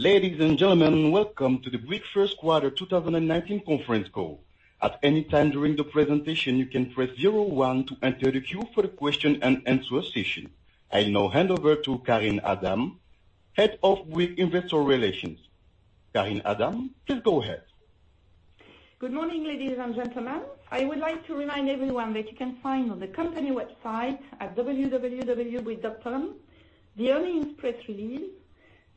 Ladies and gentlemen, welcome to the Bouygues first quarter 2019 conference call. At any time during the presentation, you can press 01 to enter the queue for the question and answer session. I will now hand over to Karine Adam-Gruson, Head of Bouygues Investor Relations. Karine Adam-Gruson, please go ahead. Good morning, ladies and gentlemen. I would like to remind everyone that you can find on the company website at www.bouygues.com the earnings press release,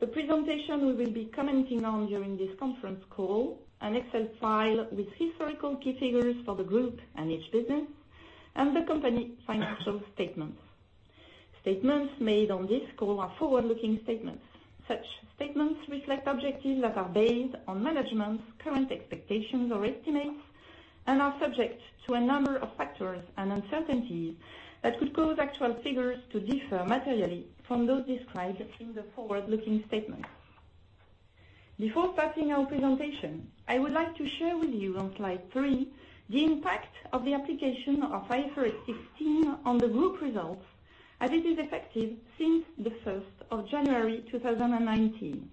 the presentation we will be commenting on during this conference call, an Excel file with historical key figures for the group and each business, and the company financial statements. Statements made on this call are forward-looking statements. Such statements reflect objectives that are based on management's current expectations or estimates and are subject to a number of factors and uncertainties that could cause actual figures to differ materially from those described in the forward-looking statement. Before starting our presentation, I would like to share with you on slide three the impact of the application of IFRS 16 on the group results as it is effective since the 1st of January 2019.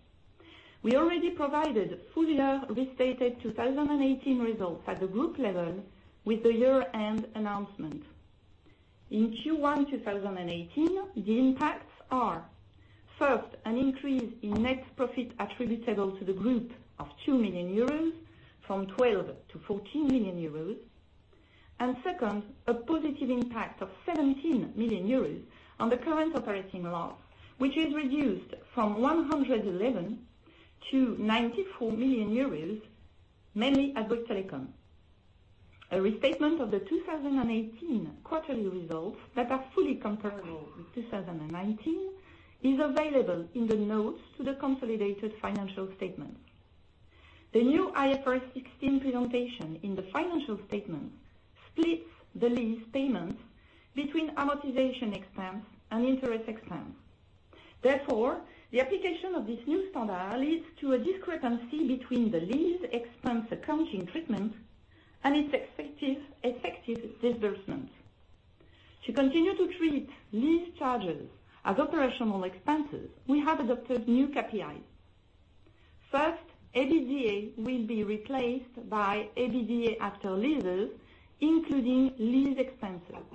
We already provided full year restated 2018 results at the group level with the year-end announcement. In Q1 2018, the impacts are, first, an increase in net profit attributable to the group of 2 million euros from 12 million to 14 million euros. Second, a positive impact of 17 million euros on the current operating loss, which is reduced from 111 million to 94 million euros, mainly at Bouygues Telecom. A restatement of the 2018 quarterly results that are fully comparable with 2019 is available in the notes to the consolidated financial statement. The new IFRS 16 presentation in the financial statement splits the lease payments between amortization expense and interest expense. Therefore, the application of this new standard leads to a discrepancy between the lease expense accounting treatment and its effective disbursement. To continue to treat lease charges as operational expenses, we have adopted new KPIs. First, EBITDA will be replaced by EBITDA after leases, including lease expenses.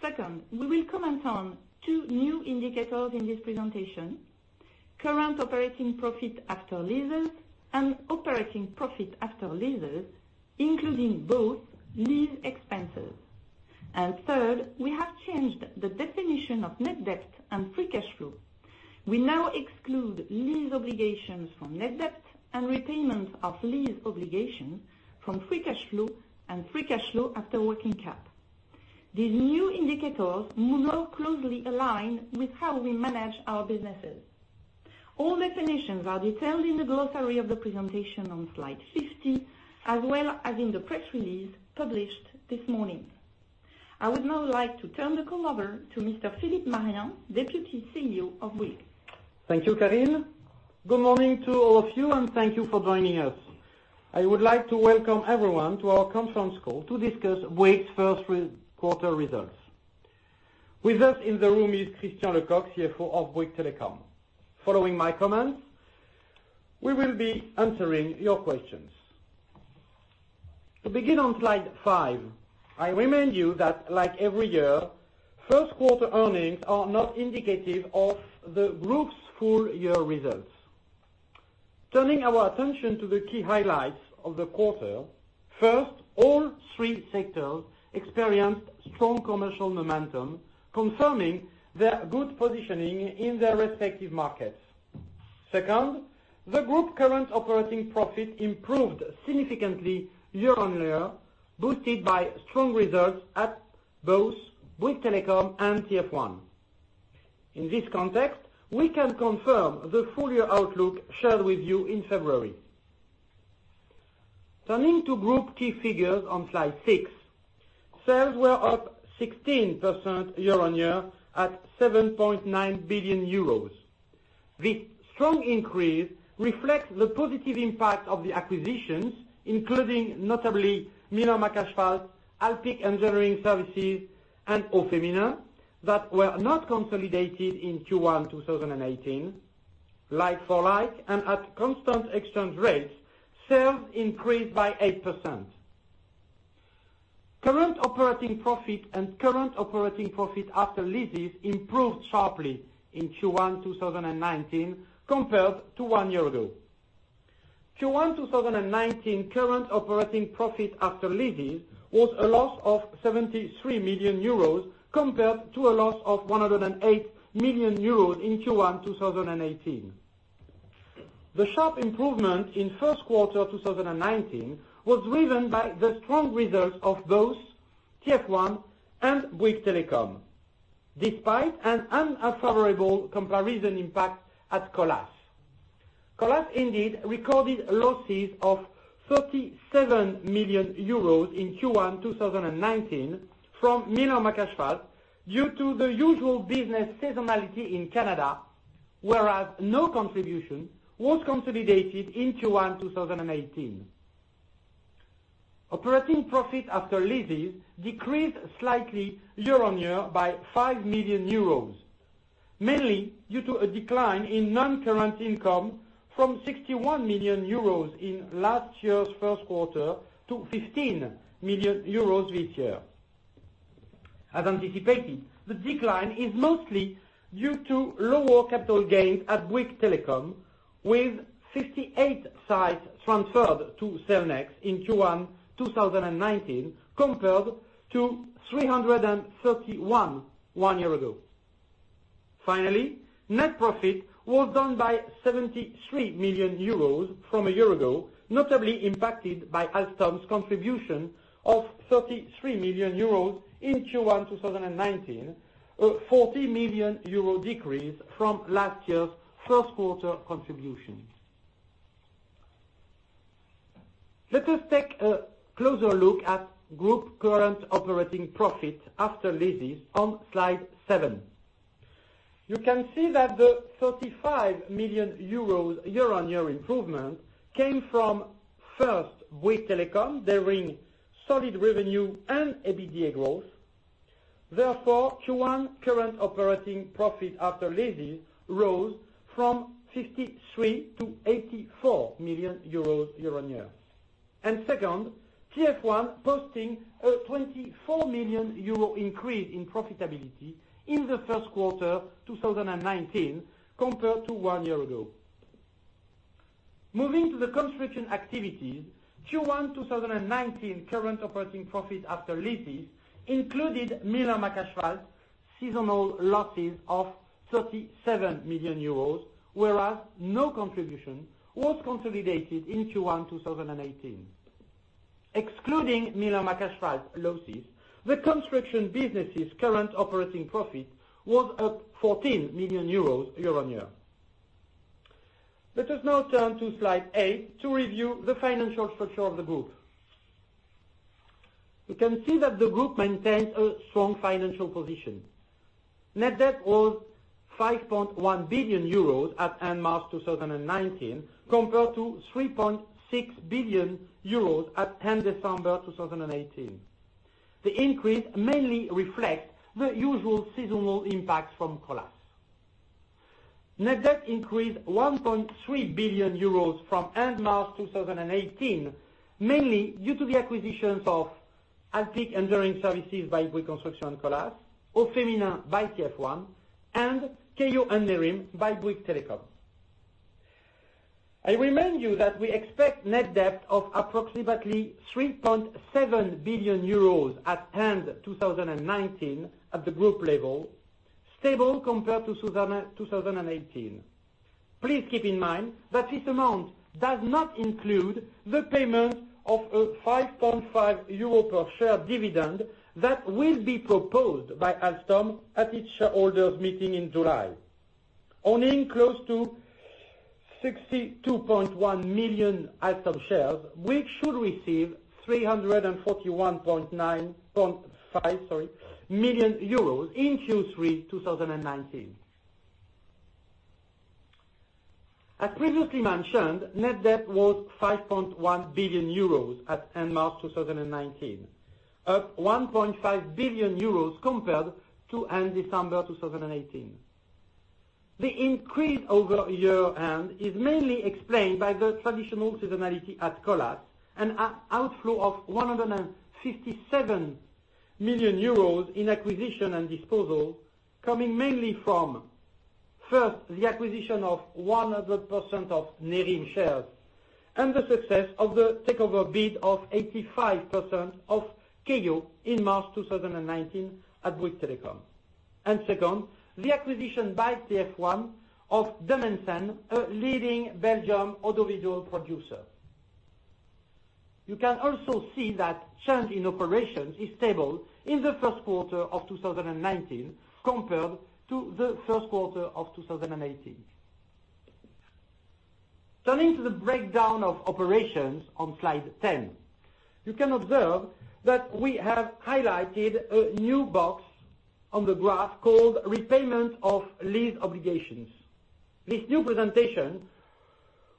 Second, we will comment on two new indicators in this presentation, current operating profit after leases and operating profit after leases, including both lease expenses. Third, we have changed the definition of net debt and free cash flow. We now exclude lease obligations from net debt and repayment of lease obligation from free cash flow and free cash flow after working cap. These new indicators more closely align with how we manage our businesses. All definitions are detailed in the glossary of the presentation on slide 15, as well as in the press release published this morning. I would now like to turn the call over to Mr. Philippe Marien, Deputy CEO of Bouygues. Thank you, Karine. Good morning to all of you, and thank you for joining us. I would like to welcome everyone to our conference call to discuss Bouygues' first quarter results. With us in the room is Christian Lecoq, CFO of Bouygues Telecom. Following my comments, we will be answering your questions. To begin on slide five, I remind you that like every year, first quarter earnings are not indicative of the group's full year results. Turning our attention to the key highlights of the quarter. First, all three sectors experienced strong commercial momentum, confirming their good positioning in their respective markets. Second, the group current operating profit improved significantly year-on-year, boosted by strong results at both Bouygues Telecom and TF1. In this context, we can confirm the full year outlook shared with you in February. Turning to group key figures on slide six. Sales were up 16% year-on-year at 7.9 billion euros. The strong increase reflects the positive impact of the acquisitions, including notably Miller McAsphalt, Alpiq Engineering Services, and Aufeminin, that were not consolidated in Q1 2018. Like for like and at constant exchange rates, sales increased by 8%. Current operating profit and current operating profit after leases improved sharply in Q1 2019 compared to one year ago. Q1 2019 current operating profit after leases was a loss of 73 million euros compared to a loss of 108 million euros in Q1 2018. The sharp improvement in first quarter 2019 was driven by the strong results of both TF1 and Bouygues Telecom, despite an unfavorable comparison impact at Colas. Colas indeed recorded losses of 37 million euros in Q1 2019 from Miller McAsphalt due to the usual business seasonality in Canada, whereas no contribution was consolidated in Q1 2018. Operating profit after leases decreased slightly year-on-year by 5 million euros, mainly due to a decline in non-current income from 61 million euros in last year's first quarter to 15 million euros this year. As anticipated, the decline is mostly due to lower capital gains at Bouygues Telecom, with 58 sites transferred to Cellnex in Q1 2019, compared to 331 one year ago. Finally, net profit was down by 73 million euros from a year ago, notably impacted by Alstom's contribution of 33 million euros in Q1 2019, a 40 million euro decrease from last year's first quarter contributions. Let us take a closer look at group current operating profit after leases on slide seven. You can see that the 35 million euros year-on-year improvement came from, first, Bouygues Telecom, during solid revenue and EBITDA growth. Therefore, Q1 current operating profit after leases rose from 53 million to 84 million euros year-on-year. Second, TF1 posting a 24 million euro increase in profitability in the first quarter 2019, compared to one year ago. Moving to the construction activity, Q1 2019 current operating profit after leases included Miller McAsphalt seasonal losses of 37 million euros, whereas no contribution was consolidated in Q1 2018. Excluding Miller McAsphalt losses, the construction business's current operating profit was at 14 million euros year-on-year. Let us now turn to slide eight to review the financial structure of the group. You can see that the group maintains a strong financial position. Net debt was 5.1 billion euros at end March 2019, compared to 3.6 billion euros at end December 2018. The increase mainly reflects the usual seasonal impacts from Colas. Net debt increased 1.3 billion euros from end March 2018, mainly due to the acquisitions of Alpiq Engineering Services by Bouygues Construction and Colas, Aufeminin by TF1, and Keyyo and Nerim by Bouygues Telecom. I remind you that we expect net debt of approximately 3.7 billion euros at end 2019 at the group level, stable compared to 2018. Please keep in mind that this amount does not include the payment of a 5.5 euro per share dividend that will be proposed by Alstom at its shareholders' meeting in July. Owning close to 62.1 million Alstom shares, we should receive 341.5 million euros in Q3 2019. As previously mentioned, net debt was 5.1 billion euros at end March 2019, up 1.5 billion euros compared to end December 2018. The increase over year end is mainly explained by the traditional seasonality at Colas, an outflow of 157 million euros in acquisition and disposal, coming mainly from, first, the acquisition of 100% of Nerim shares and the success of the takeover bid of 85% of Keyyo in March 2019 at Bouygues Telecom. Second, the acquisition by TF1 of De Mensen, a leading Belgian audiovisual producer. You can also see that change in operations is stable in the first quarter of 2019, compared to the first quarter of 2018. Turning to the breakdown of operations on Slide 10. You can observe that we have highlighted a new box on the graph called repayment of lease obligations. This new presentation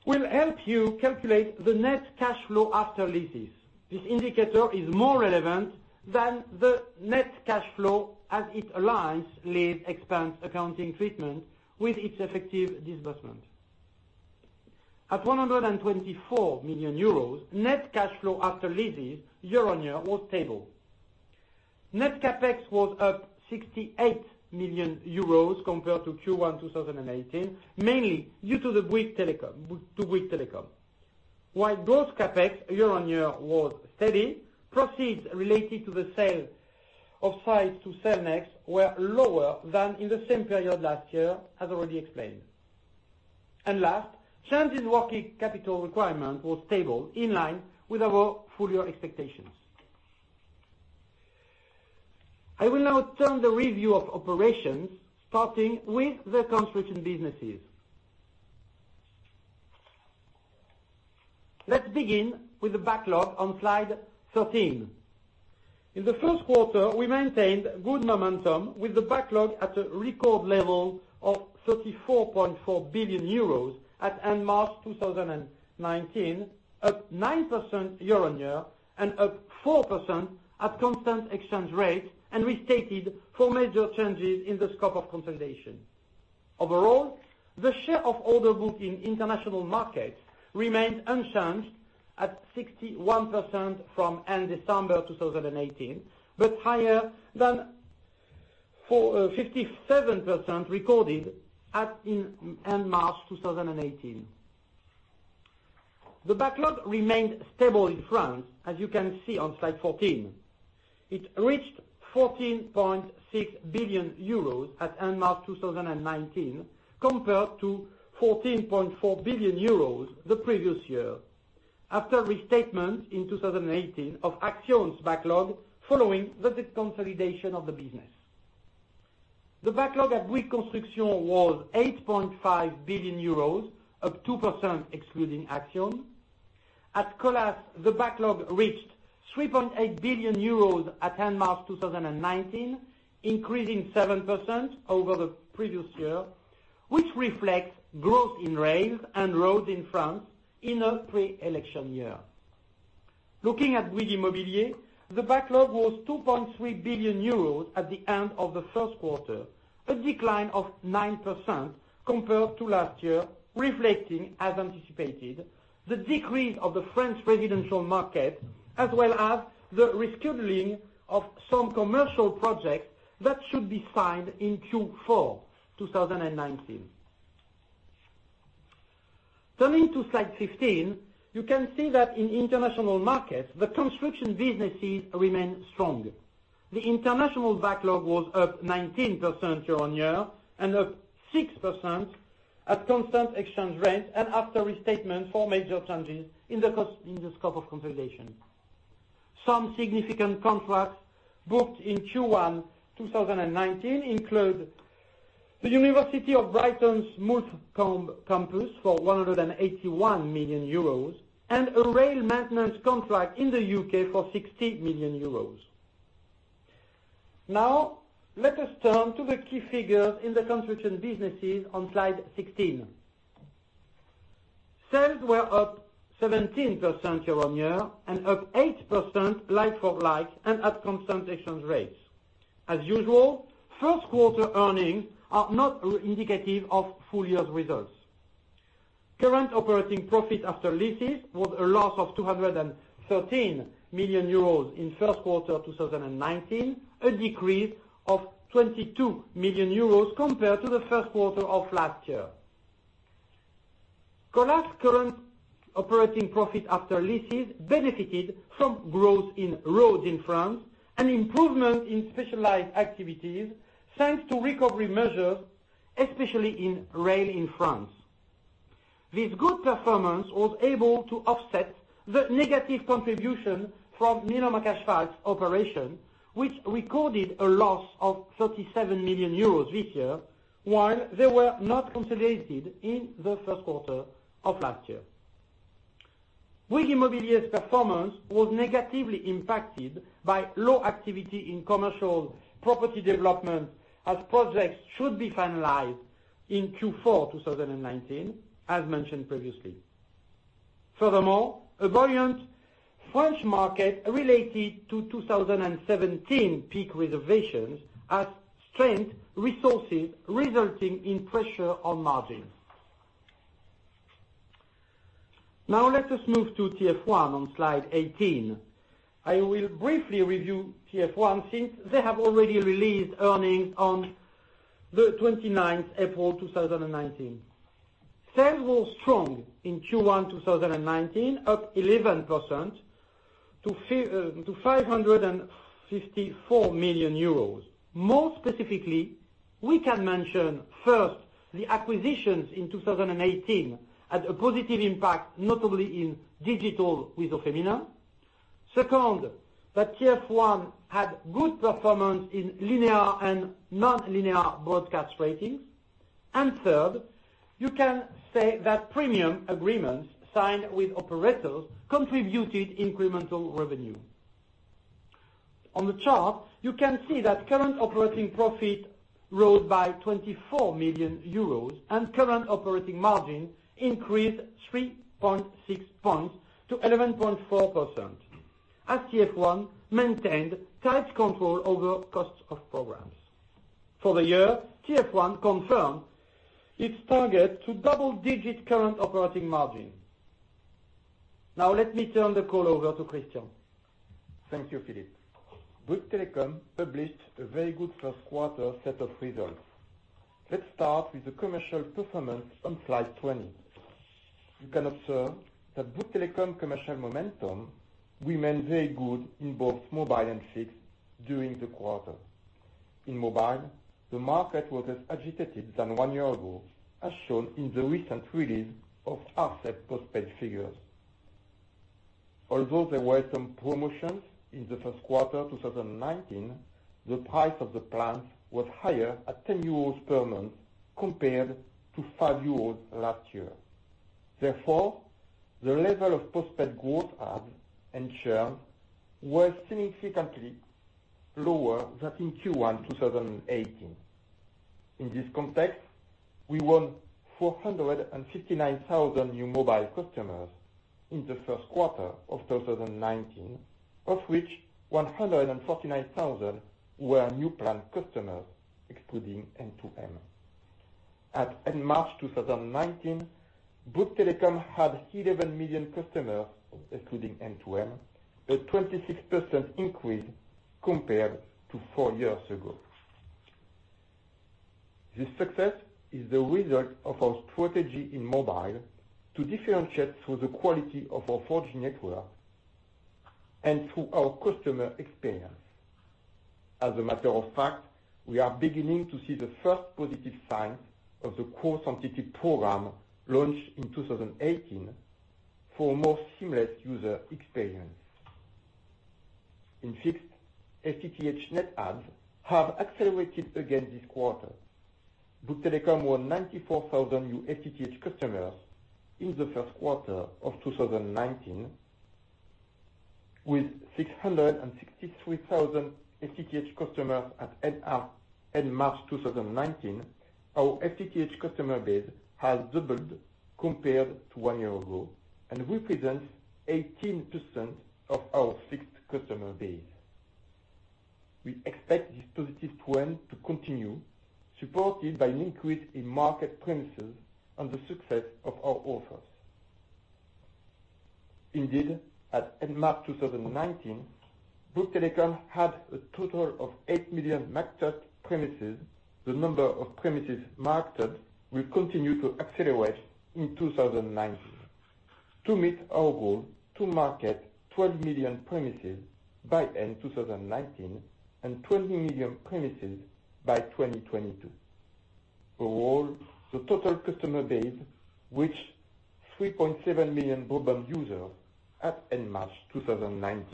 will help you calculate the net cash flow after leases. This indicator is more relevant than the net cash flow, as it aligns lease expense accounting treatment with its effective disbursement. At 124 million euros, net cash flow after leases year-on-year was stable. Net CapEx was up 68 million euros compared to Q1 2018, mainly due to Bouygues Telecom. While gross CapEx year-on-year was steady, proceeds related to the sale of sites to Cellnex were lower than in the same period last year, as already explained. Last, change in working capital requirement was stable, in line with our full-year expectations. I will now turn the review of operations, starting with the construction businesses. Let's begin with the backlog on Slide 13. In the first quarter, we maintained good momentum with the backlog at a record level of 34.4 billion euros at end March 2019, up 9% year-on-year, and up 4% at constant exchange rate and restated for major changes in the scope of consolidation. Overall, the share of order booking international markets remained unchanged at 61% from end December 2018, higher than 57% recorded at end March 2018. The backlog remained stable in France, as you can see on Slide 14. It reached 14.6 billion euros at end March 2019, compared to 14.4 billion euros the previous year, after restatement in 2018 of Axione's backlog following the deconsolidation of the business. The backlog at Bouygues Construction was 8.5 billion euros, up 2% excluding Axione. At Colas, the backlog reached 3.8 billion euros at end March 2019, increasing 7% over the previous year, which reflects growth in rails and roads in France in a pre-election year. Looking at Bouygues Immobilier, the backlog was 2.3 billion euros at the end of the first quarter, a decline of 9% compared to last year, reflecting, as anticipated, the decrease of the French residential market, as well as the rescheduling of some commercial projects that should be signed in Q4 2019. Turning to slide 15, you can see that in international markets, the construction businesses remain strong. The international backlog was up 19% year-on-year and up 6% at constant exchange rates and after restatement for major changes in the scope of consolidation. Some significant contracts booked in Q1 2019 include the University of Brighton's Moulsecoomb campus for 181 million euros, and a rail maintenance contract in the U.K. for 60 million euros. Now, let us turn to the key figures in the construction businesses on slide 16. Sales were up 17% year-on-year and up 8% like-for-like and at constant exchange rates. As usual, first quarter earnings are not indicative of full year results. Current operating profit after leases was a loss of 213 million euros in first quarter 2019, a decrease of 22 million euros compared to the first quarter of last year. Colas current operating profit after leases benefited from growth in roads in France and improvement in specialized activities, thanks to recovery measures, especially in rail in France. This good performance was able to offset the negative contribution from Miller McAsphalt's operation, which recorded a loss of 37 million euros this year, while they were not consolidated in the first quarter of last year. Bouygues Immobilier's performance was negatively impacted by low activity in commercial property development, as projects should be finalized in Q4 2019, as mentioned previously. Furthermore, a buoyant French market related to 2017 peak reservations has strained resources, resulting in pressure on margins. Now let us move to TF1 on slide 18. I will briefly review TF1 since they have already released earnings on the 29th April 2019. Sales were strong in Q1 2019, up 11% to 554 million euros. More specifically, we can mention first, the acquisitions in 2018 had a positive impact, notably in digital with Aufeminin. Second, that TF1 had good performance in linear and nonlinear broadcast ratings. And third, you can say that premium agreements signed with operators contributed incremental revenue. On the chart, you can see that current operating profit rose by 24 million euros and current operating margin increased 3.6 points to 11.4%, as TF1 maintained tight control over costs of programs. For the year, TF1 confirmed its target to double-digit current operating margin. Now let me turn the call over to Christian. Thank you, Philippe. Bouygues Telecom published a very good first quarter set of results. Let's start with the commercial performance on slide 20. You can observe that Bouygues Telecom commercial momentum remained very good in both mobile and fixed during the quarter. In mobile, the market was less agitated than one year ago, as shown in the recent release of ARCEP postpaid figures. Although there were some promotions in the first quarter 2019, the price of the plans was higher at 10 euros per month compared to 5 euros last year. Therefore, the level of postpaid growth adds and churn was significantly lower than in Q1 2018. In this context, we won 459,000 new mobile customers in the first quarter of 2019, of which 149,000 were new plan customers, excluding M2M. At March 2019, Bouygues Telecom had 11 million customers, excluding M2M, a 26% increase compared to four years ago. This success is the result of our strategy in mobile to differentiate through the quality of our 4G network and through our customer experience. As a matter of fact, we are beginning to see the first positive signs of the core simplicity program launched in 2018 for a more seamless user experience. In fixed, FTTH net adds have accelerated again this quarter. Bouygues Telecom won 94,000 new FTTH customers in the first quarter of 2019, with 663,000 FTTH customers at March 2019. Our FTTH customer base has doubled compared to one year ago and represents 18% of our fixed customer base. We expect this positive trend to continue, supported by an increase in market premises and the success of our offers. Indeed, at March 2019, Bouygues Telecom had a total of 8 million marketed premises. The number of premises marketed will continue to accelerate in 2019 to meet our goal to market 12 million premises by end 2019 and 20 million premises by 2022. Overall, the total customer base reached 3.7 million broadband users at March 2019.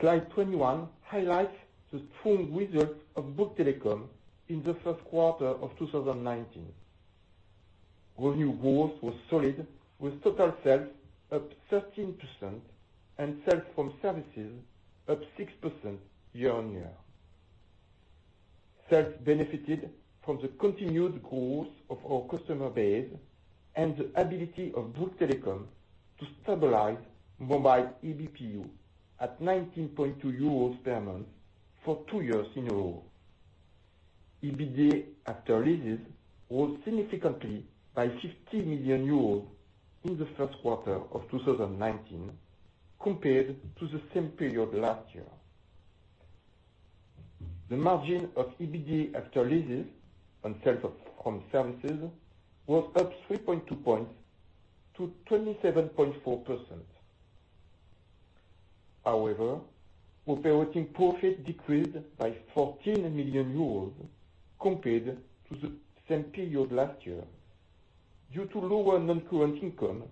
Slide 21 highlights the strong results of Bouygues Telecom in the first quarter of 2019. Revenue growth was solid with total sales up 13% and sales from services up 6% year-on-year. Sales benefited from the continued growth of our customer base and the ability of Bouygues Telecom to stabilize mobile ABPU at 19.2 euros per month for two years in a row. EBITDA after leases rose significantly by 60 million euros in the first quarter of 2019 compared to the same period last year. The margin of EBITDA after leases and sales from services was up 3.2 points to 27.4%. However, operating profit decreased by 14 million euros compared to the same period last year due to lower non-current income,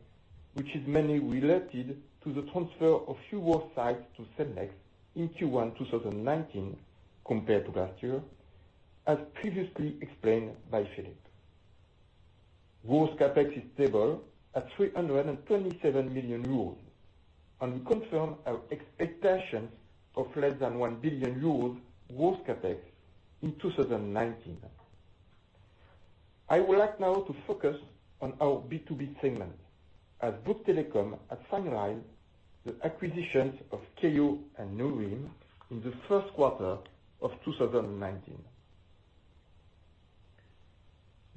which is mainly related to the transfer of fewer sites to Cellnex in Q1 2019 compared to last year, as previously explained by Philippe. Gross CapEx is stable at 327 million euros, and we confirm our expectations of less than 1 billion euros gross CapEx in 2019. I would like now to focus on our B2B segment as Bouygues Telecom has finalized the acquisitions of Keyyo and Nerim in the first quarter of 2019.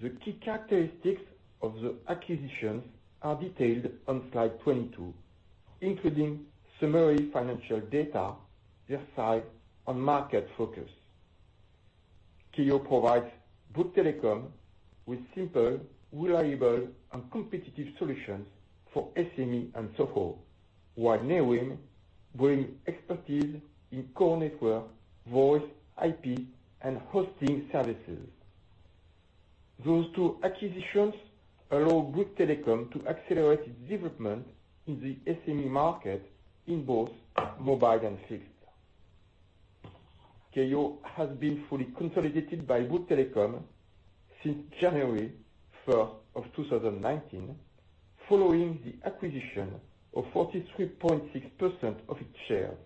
The key characteristics of the acquisitions are detailed on slide 22, including summary financial data, their size, and market focus. Keyyo provides Bouygues Telecom with simple, reliable, and competitive solutions for SME and SOHO, while Nerim brings expertise in core network, voice, IP, and hosting services. Those two acquisitions allow Bouygues Telecom to accelerate its development in the SME market in both mobile and fixed. Keyyo has been fully consolidated by Bouygues Telecom since January 1st of 2019, following the acquisition of 43.6% of its shares.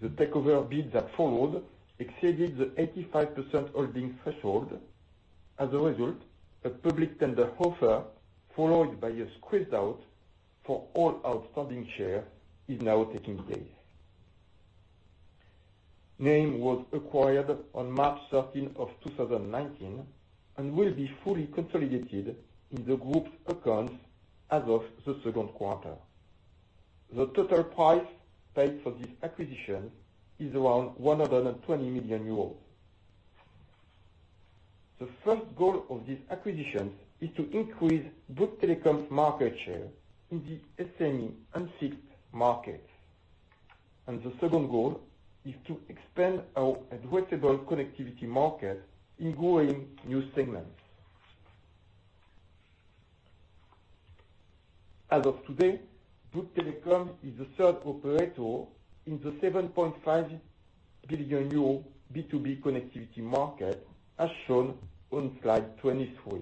The takeover bid that followed exceeded the 85% holding threshold. As a result, a public tender offer followed by a squeeze out for all outstanding shares is now taking place. Nerim was acquired on March 13th of 2019 and will be fully consolidated in the group's accounts as of the second quarter. The total price paid for this acquisition is around 120 million euros. The first goal of these acquisitions is to increase Bouygues Telecom's market share in the SME and fixed markets. The second goal is to expand our addressable connectivity market in growing new segments. As of today, Bouygues Telecom is the third operator in the 7.5 billion euro B2B connectivity market, as shown on slide 23.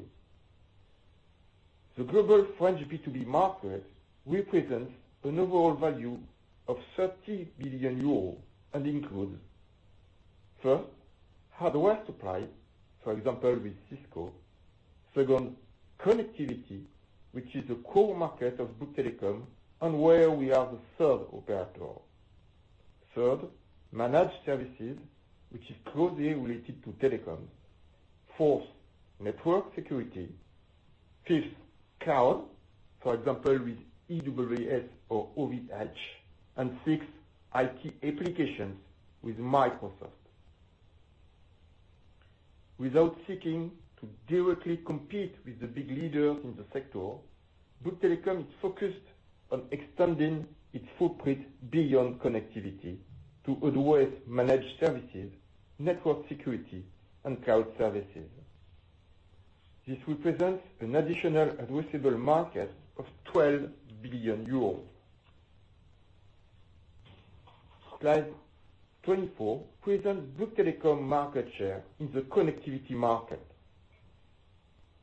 The global French B2B market represents an overall value of 30 billion euros and includes, first, hardware supply, for example, with Cisco. Second, connectivity, which is the core market of Bouygues Telecom and where we are the third operator. Third, managed services, which is closely related to telecom. Fourth, network security. Fifth, cloud, for example, with AWS or OVH. Sixth, IT applications with Microsoft. Without seeking to directly compete with the big leaders in the sector, Bouygues Telecom is focused on extending its footprint beyond connectivity to address managed services, network security, and cloud services. This represents an additional addressable market of 12 billion euros. Slide 24 presents Bouygues Telecom market share in the connectivity market.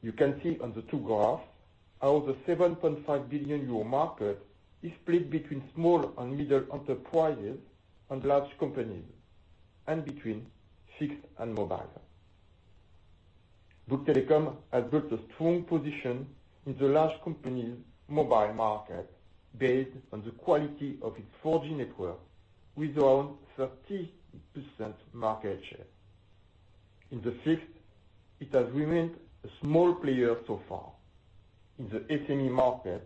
You can see on the two graphs how the 7.5 billion euro market is split between small and middle enterprises and large companies, and between fixed and mobile. Bouygues Telecom has built a strong position in the large companies mobile market based on the quality of its 4G network, with around 30% market share. In the fixed, it has remained a small player so far. In the SME market,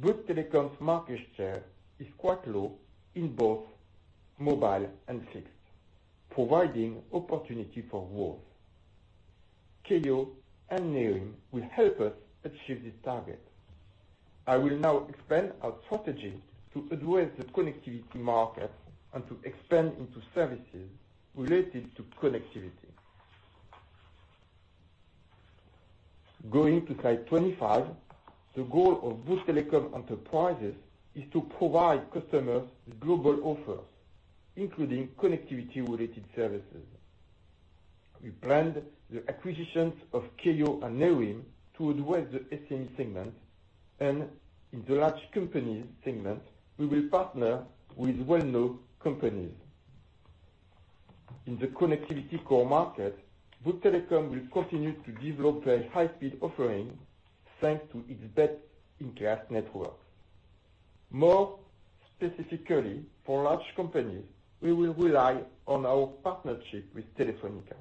Bouygues Telecom's market share is quite low in both mobile and fixed, providing opportunity for growth. Keyyo and Nerim will help us achieve this target. I will now explain our strategy to address the connectivity market and to expand into services related to connectivity. Going to slide 25. The goal of Bouygues Telecom Entreprises is to provide customers with global offers, including connectivity-related services. We planned the acquisitions of Keyyo and Nerim to address the SME segment, and in the large company segment, we will partner with well-known companies. In the connectivity core market, Bouygues Telecom will continue to develop very high-speed offerings thanks to its best-in-class network. More specifically for large companies, we will rely on our partnership with Telefónica.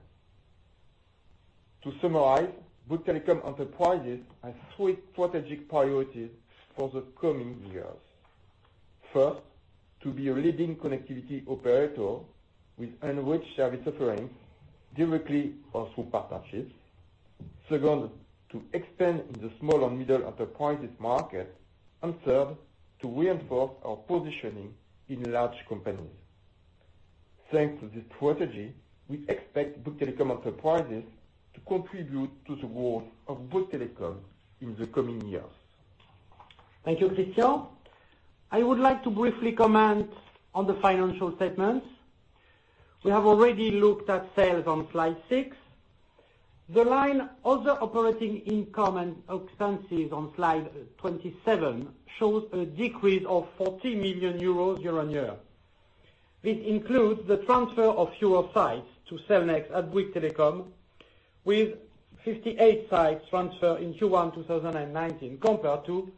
To summarize, Bouygues Telecom Entreprises has three strategic priorities for the coming years. First, to be a leading connectivity operator with enriched service offerings directly or through partnerships. Second, to expand in the small and middle enterprises market. Third, to reinforce our positioning in large companies. Thanks to this strategy, we expect Bouygues Telecom Entreprises to contribute to the growth of Bouygues Telecom in the coming years. Thank you, Christian. I would like to briefly comment on the financial statements. We have already looked at sales on slide six. The line other operating income and expenses on slide 27 shows a decrease of 40 million euros year-on-year. This includes the transfer of fewer sites to Cellnex at Bouygues Telecom, with 58 sites transferred in Q1 2019 compared to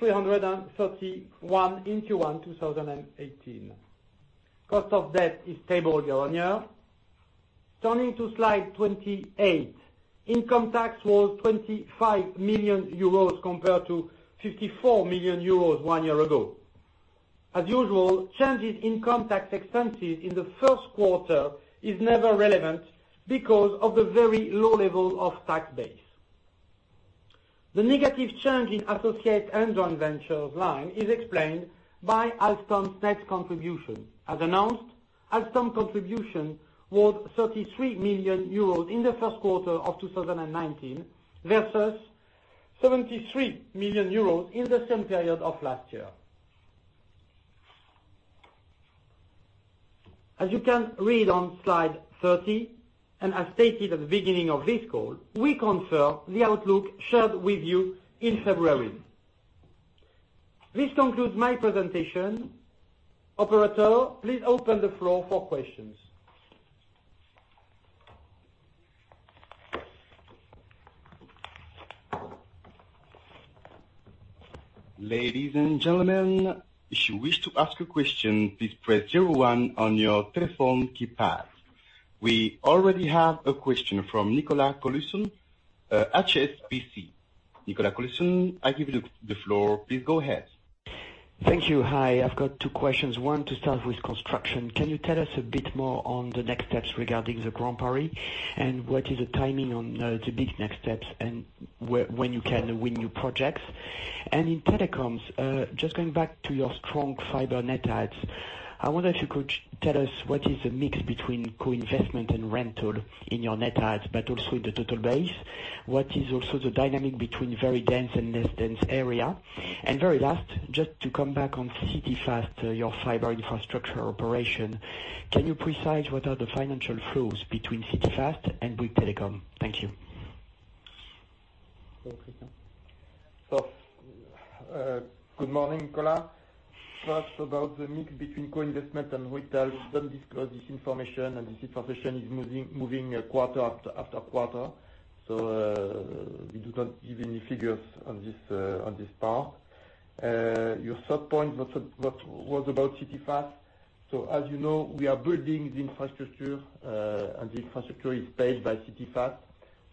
331 in Q1 2018. Cost of debt is stable year-on-year. Turning to slide 28. Income tax was 25 million euros compared to 54 million euros one year ago. As usual, changes in income tax expenses in the first quarter is never relevant because of the very low level of tax base. The negative change in associates and joint ventures line is explained by Alstom's net contribution. As announced, Alstom contribution was 33 million euros in the first quarter of 2019 versus 73 million euros in the same period of last year. As you can read on slide 30, and as stated at the beginning of this call, we confirm the outlook shared with you in February. This concludes my presentation. Operator, please open the floor for questions. Ladies and gentlemen, if you wish to ask a question, please press 01 on your telephone keypad. We already have a question from Nicolas Colisson, HSBC. Nicolas Colisson, I give you the floor. Please go ahead. Thank you. Hi. I've got two questions. One, to start with construction. Can you tell us a bit more on the next steps regarding the Grand Paris and what is the timing on the big next steps and when you can win new projects? In telecoms, just going back to your strong fiber net adds. I wonder if you could tell us what is the mix between co-investment and rental in your net adds, but also the total base. What is also the dynamic between very dense and less dense area? Very last, just to come back on CityFast, your fiber infrastructure operation. Can you precise what are the financial flows between CityFast and Bouygues Telecom? Thank you. Good morning, Nicolas. First, about the mix between co-investment and rental, we don't disclose this information, and this information is moving quarter after quarter. We do not give any figures on this part. Your third point, what was about CityFast. As you know, we are building the infrastructure, and the infrastructure is paid by CityFast.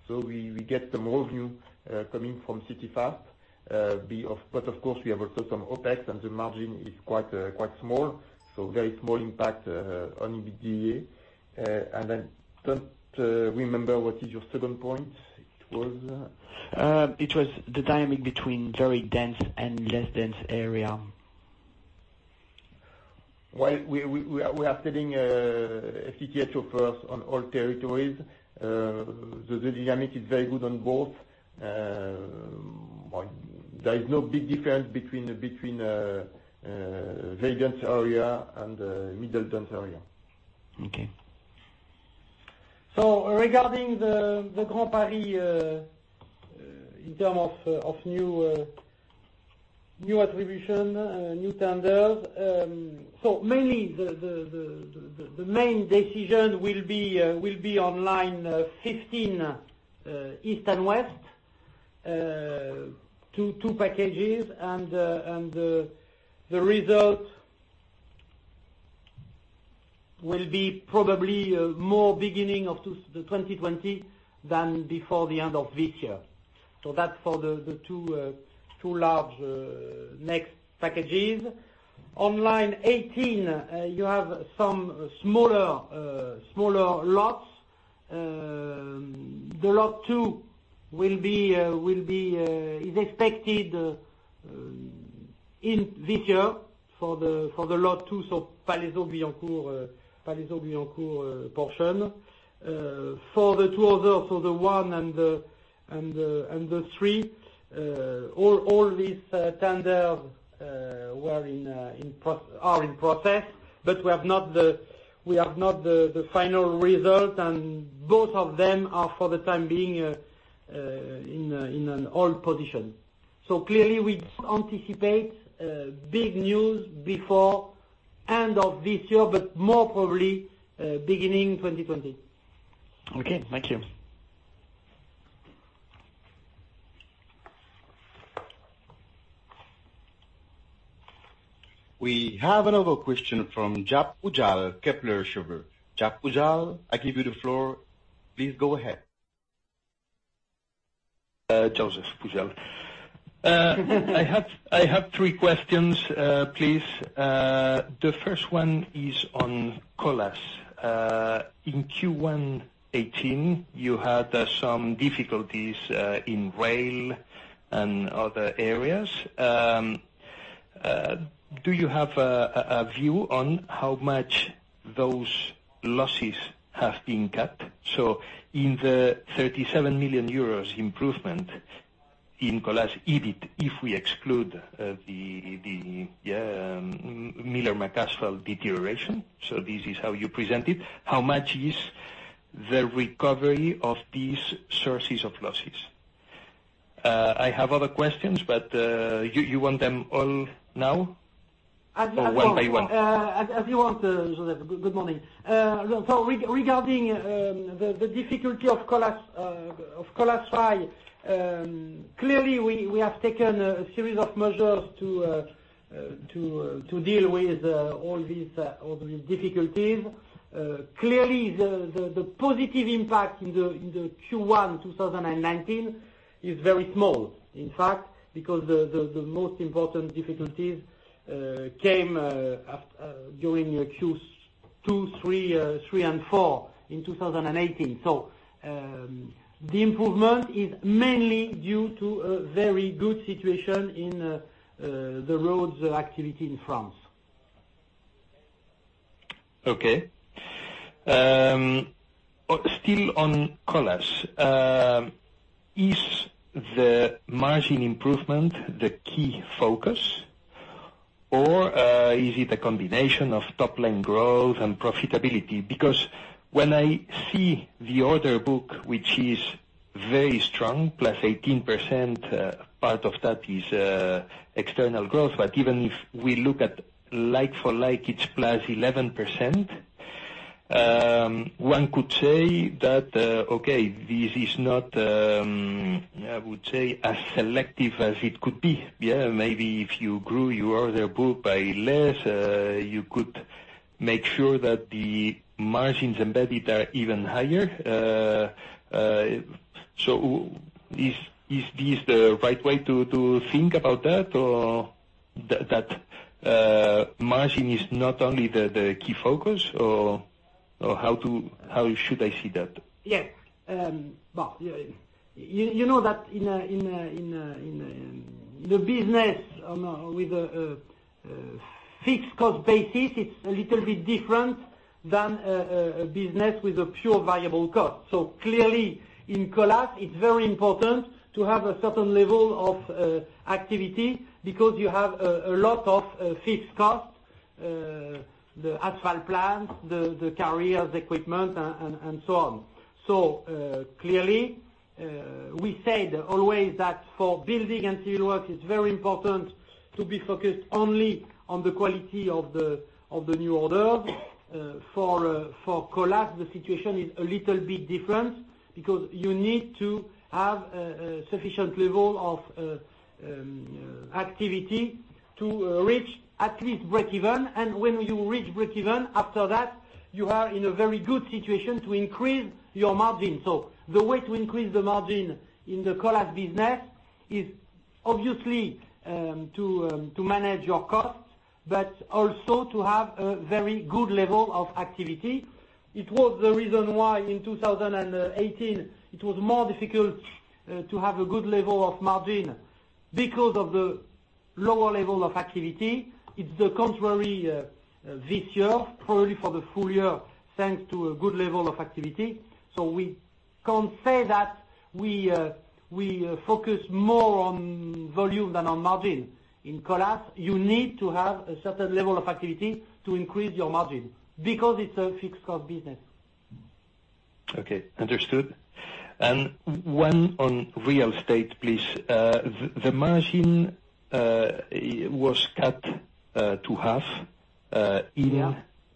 We get some revenue coming from CityFast. Of course, we have also some OPEX, and the margin is quite small. Very small impact on EBITDA. I don't remember what is your second point. It was? It was the dynamic between very dense and less dense area. We are selling a FFTH offers on all territories. The dynamic is very good on both. There is no big difference between radius area and middle dense area. Okay. Regarding the Grand Paris, in term of new attribution, new tenders. The main decision will be online 15 East and West, two packages and the result will be probably more beginning of 2020 than before the end of this year. That's for the two large next packages. On Line 18, you have some smaller lots. The lot 2 is expected in this year for the lot 2, so Palaiseau-Billancourt portion. For the two others, the one and the three, all these tenders are in process, but we have not the final result, and both of them are for the time being in a hold position. Clearly we anticipate big news before end of this year, but more probably, beginning 2020. Okay. Thank you. We have another question from Josep Pujal, Kepler Cheuvreux. Josep Pujal, I give you the floor. Please go ahead. Joseph Pujal. I have three questions, please. The first one is on Colas. In Q1 2018, you had some difficulties in rail and other areas. Do you have a view on how much those losses have been cut? In the 37 million euros improvement in Colas EBIT, if we exclude the Miller McAsphalt deterioration. This is how you present it. How much is the recovery of these sources of losses? I have other questions, but you want them all now? Or one by one? As you want, Joseph. Good morning. Regarding the difficulty of Colas Rail, clearly we have taken a series of measures to deal with all these difficulties. Clearly, the positive impact in the Q1 2019 is very small. In fact, because the most important difficulties came during the Q2, Q3 and Q4 in 2018. The improvement is mainly due to a very good situation in the roads activity in France. Okay. Still on Colas, is the margin improvement the key focus, or is it a combination of top-line growth and profitability? Because when I see the order book, which is very strong, +18%, part of that is external growth. Even if we look at like for like, it's +11%. One could say that, okay, this is not, I would say as selective as it could be. Yeah. Maybe if you grew your order book by less, you could make sure that the margins embedded are even higher. Is this the right way to think about that? That margin is not only the key focus or how should I see that? Well, you know that in the business with a fixed cost basis, it's a little bit different than a business with a pure variable cost. Clearly, in Colas, it's very important to have a certain level of activity because you have a lot of fixed costs, the asphalt plants, the carriers, the equipment, and so on. Clearly, we said always that for building and civil work, it's very important to be focused only on the quality of the new orders. For Colas, the situation is a little bit different, because you need to have a sufficient level of activity to reach at least breakeven. When you reach breakeven, after that, you are in a very good situation to increase your margin. The way to increase the margin in the Colas business is obviously to manage your costs, but also to have a very good level of activity. It was the reason why in 2018, it was more difficult to have a good level of margin because of the lower level of activity. It's the contrary this year, probably for the full year, thanks to a good level of activity. We can say that we focus more on volume than on margin. In Colas, you need to have a certain level of activity to increase your margin, because it's a fixed cost business. Okay, understood. One on real estate, please. The margin was cut to half in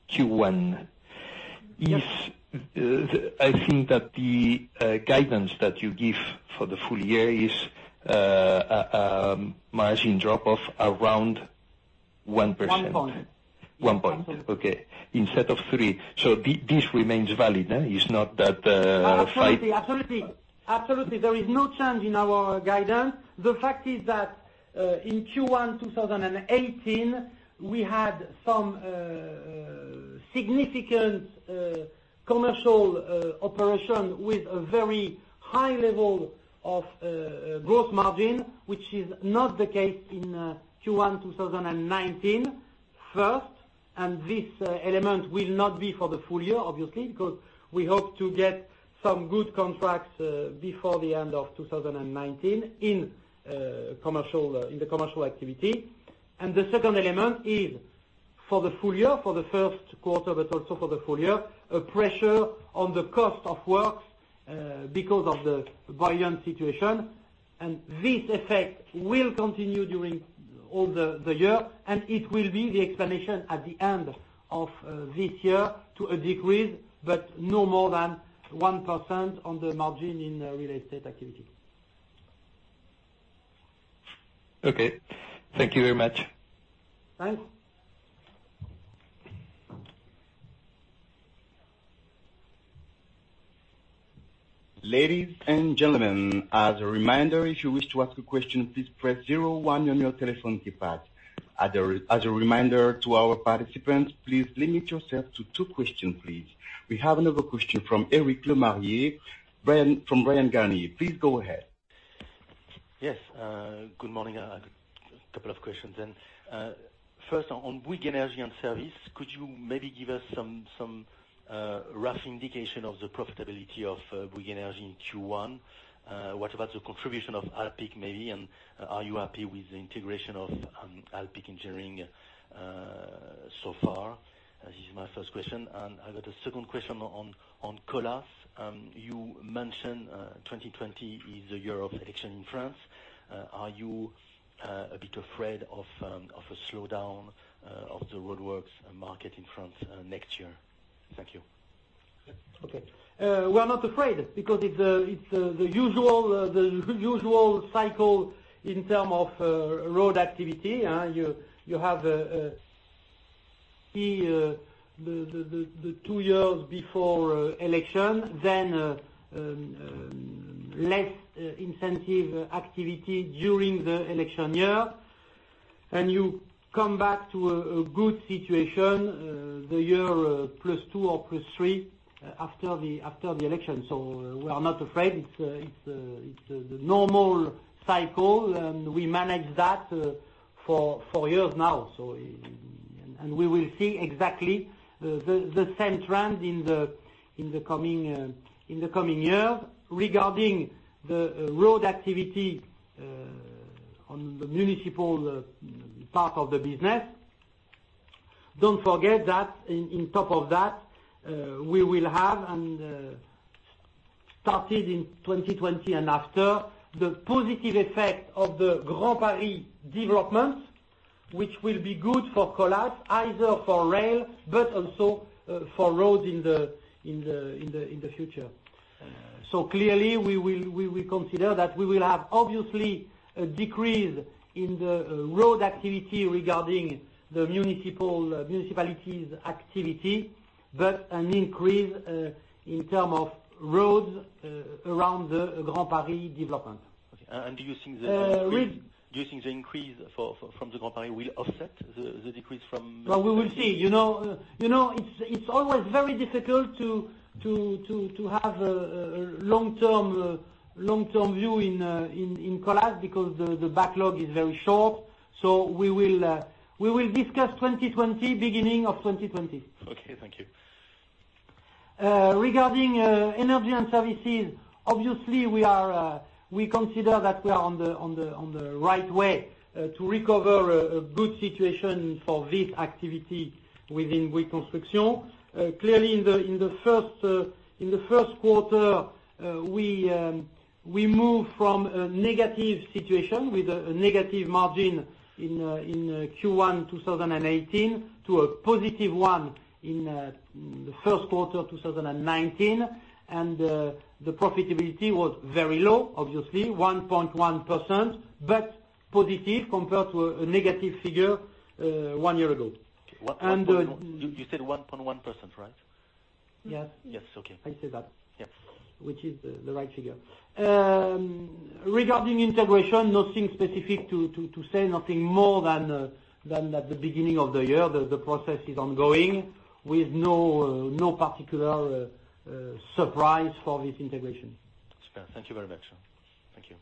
Q1. Yeah. I think that the guidance that you give for the full year is a margin drop of around 1%. One point. One point. Okay. Instead of three. This remains valid? Absolutely. There is no change in our guidance. The fact is that, in Q1 2018, we had some significant commercial operation with a very high level of gross margin, which is not the case in Q1 2019, first. This element will not be for the full year, obviously, because we hope to get some good contracts before the end of 2019 in the commercial activity. The second element is for the full year, for the first quarter, but also for the full year, a pressure on the cost of works because of the buoyant situation. This effect will continue during all the year, and it will be the explanation at the end of this year to a decrease, but no more than 1% on the margin in real estate activity. Okay. Thank you very much. Bye. Ladies and gentlemen, as a reminder, if you wish to ask a question, please press zero one on your telephone keypad. As a reminder to our participants, please limit yourself to two question, please. We have another question from Eric Lemarié, from Bryan Garnier Please go ahead. Yes, good morning. A couple of questions then. First on Bouygues Energies & Services, could you maybe give us some rough indication of the profitability of Bouygues Energy in Q1? What about the contribution of Alpiq, maybe? And are you happy with the integration of Alpiq Engineering so far? This is my first question. And I got a second question on Colas. You mentioned 2020 is the Europe election in France. Are you a bit afraid of a slowdown of the roadworks market in France next year? Thank you. Okay. We are not afraid because it's the usual cycle in term of road activity. You have the two years before election, then less incentive activity during the election year, and you come back to a good situation the year plus two or plus three after the election. We are not afraid. It's the normal cycle, and we manage that for years now. We will see exactly the same trend in the coming year. Regarding the road activity on the municipal part of the business, don't forget that in top of that, we will have, and started in 2020 and after, the positive effect of the Grand Paris development, which will be good for Colas, either for rail, but also for road in the future. Clearly, we will consider that we will have obviously a decrease in the road activity regarding the municipalities activity, but an increase in term of roads around the Grand Paris development. Okay. Do you think the increase from the Grand Paris will offset the decrease? Well, we will see. It's always very difficult to have a long-term view in Colas because the backlog is very short. We will discuss 2020 beginning of 2020. Okay, thank you. Regarding energy and services, obviously, we consider that we are on the right way to recover a good situation for this activity within reconstruction. Clearly, in the first quarter, we move from a negative situation with a negative margin in Q1 2018 to a positive one in the first quarter of 2019, and the profitability was very low, obviously, 1.1%, but positive compared to a negative figure one year ago. Okay. You said 1.1%, right? Yes. Yes, okay. I said that. Yes. Which is the right figure. Regarding integration, nothing specific to say, nothing more than at the beginning of the year. The process is ongoing with no particular surprise for this integration. It's fair. Thank you very much. Thank you.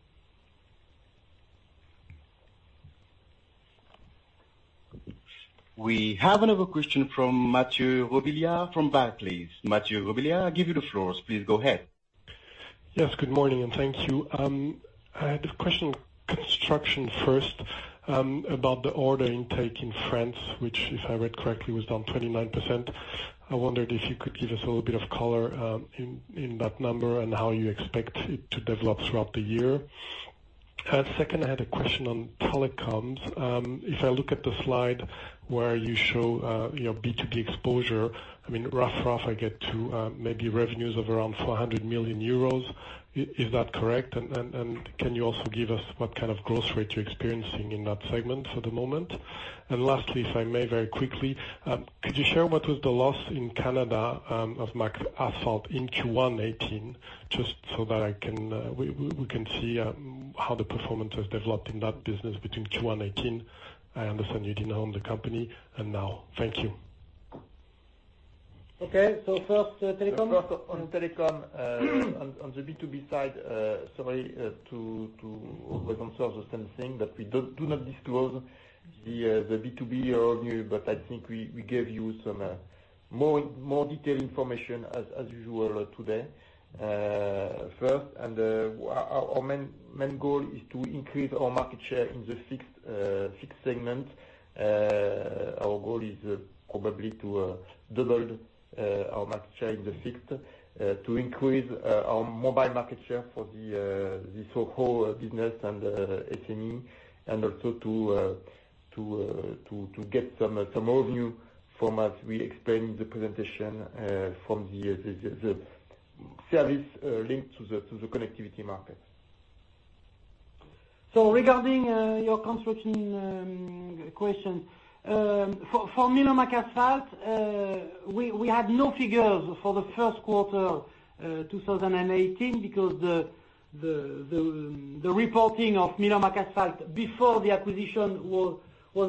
We have another question from Mathieu Robilliard from Barclays. Mathieu Robilliard, I give you the floor, sir. Please go ahead. Yes, good morning. Thank you. I had a question on construction first, about the order intake in France, which, if I read correctly, was down 29%. I wondered if you could give us a little bit of color in that number and how you expect it to develop throughout the year. Second, I had a question on telecoms. If I look at the slide where you show B2B exposure, rough, I get to maybe revenues of around 400 million euros. Is that correct? Can you also give us what kind of growth rate you're experiencing in that segment at the moment? Lastly, if I may very quickly, could you share what was the loss in Canada of McAsphalt in Q1 2018, just so that we can see how the performance has developed in that business between Q1 2018, I understand you didn't own the company, and now. Thank you. Okay, first, telecom. First on telecom, on the B2B side, sorry to always answer the same thing, we do not disclose the B2B revenue, but I think we gave you some more detailed information as usual today. Our main goal is to increase our market share in the fixed segment. Our goal is probably to double our market share in the fixed, to increase our mobile market share for the so-called business and SME, and also to get some more new formats. We explained the presentation from the service linked to the connectivity market. Regarding your construction question. For Miller McAsphalt, we had no figures for the first quarter 2018 because the reporting of Miller McAsphalt before the acquisition was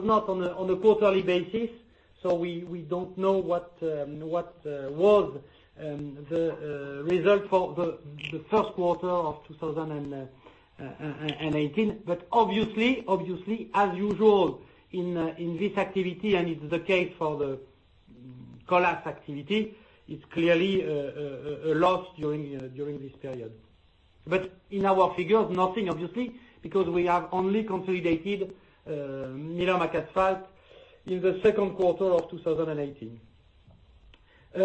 not on a quarterly basis. We don't know what was the result for the first quarter of 2018. Obviously, as usual in this activity, and it's the case for the Colas activity, it's clearly a loss during this period. In our figures, nothing, obviously, because we have only consolidated Miller McAsphalt in the second quarter of 2018.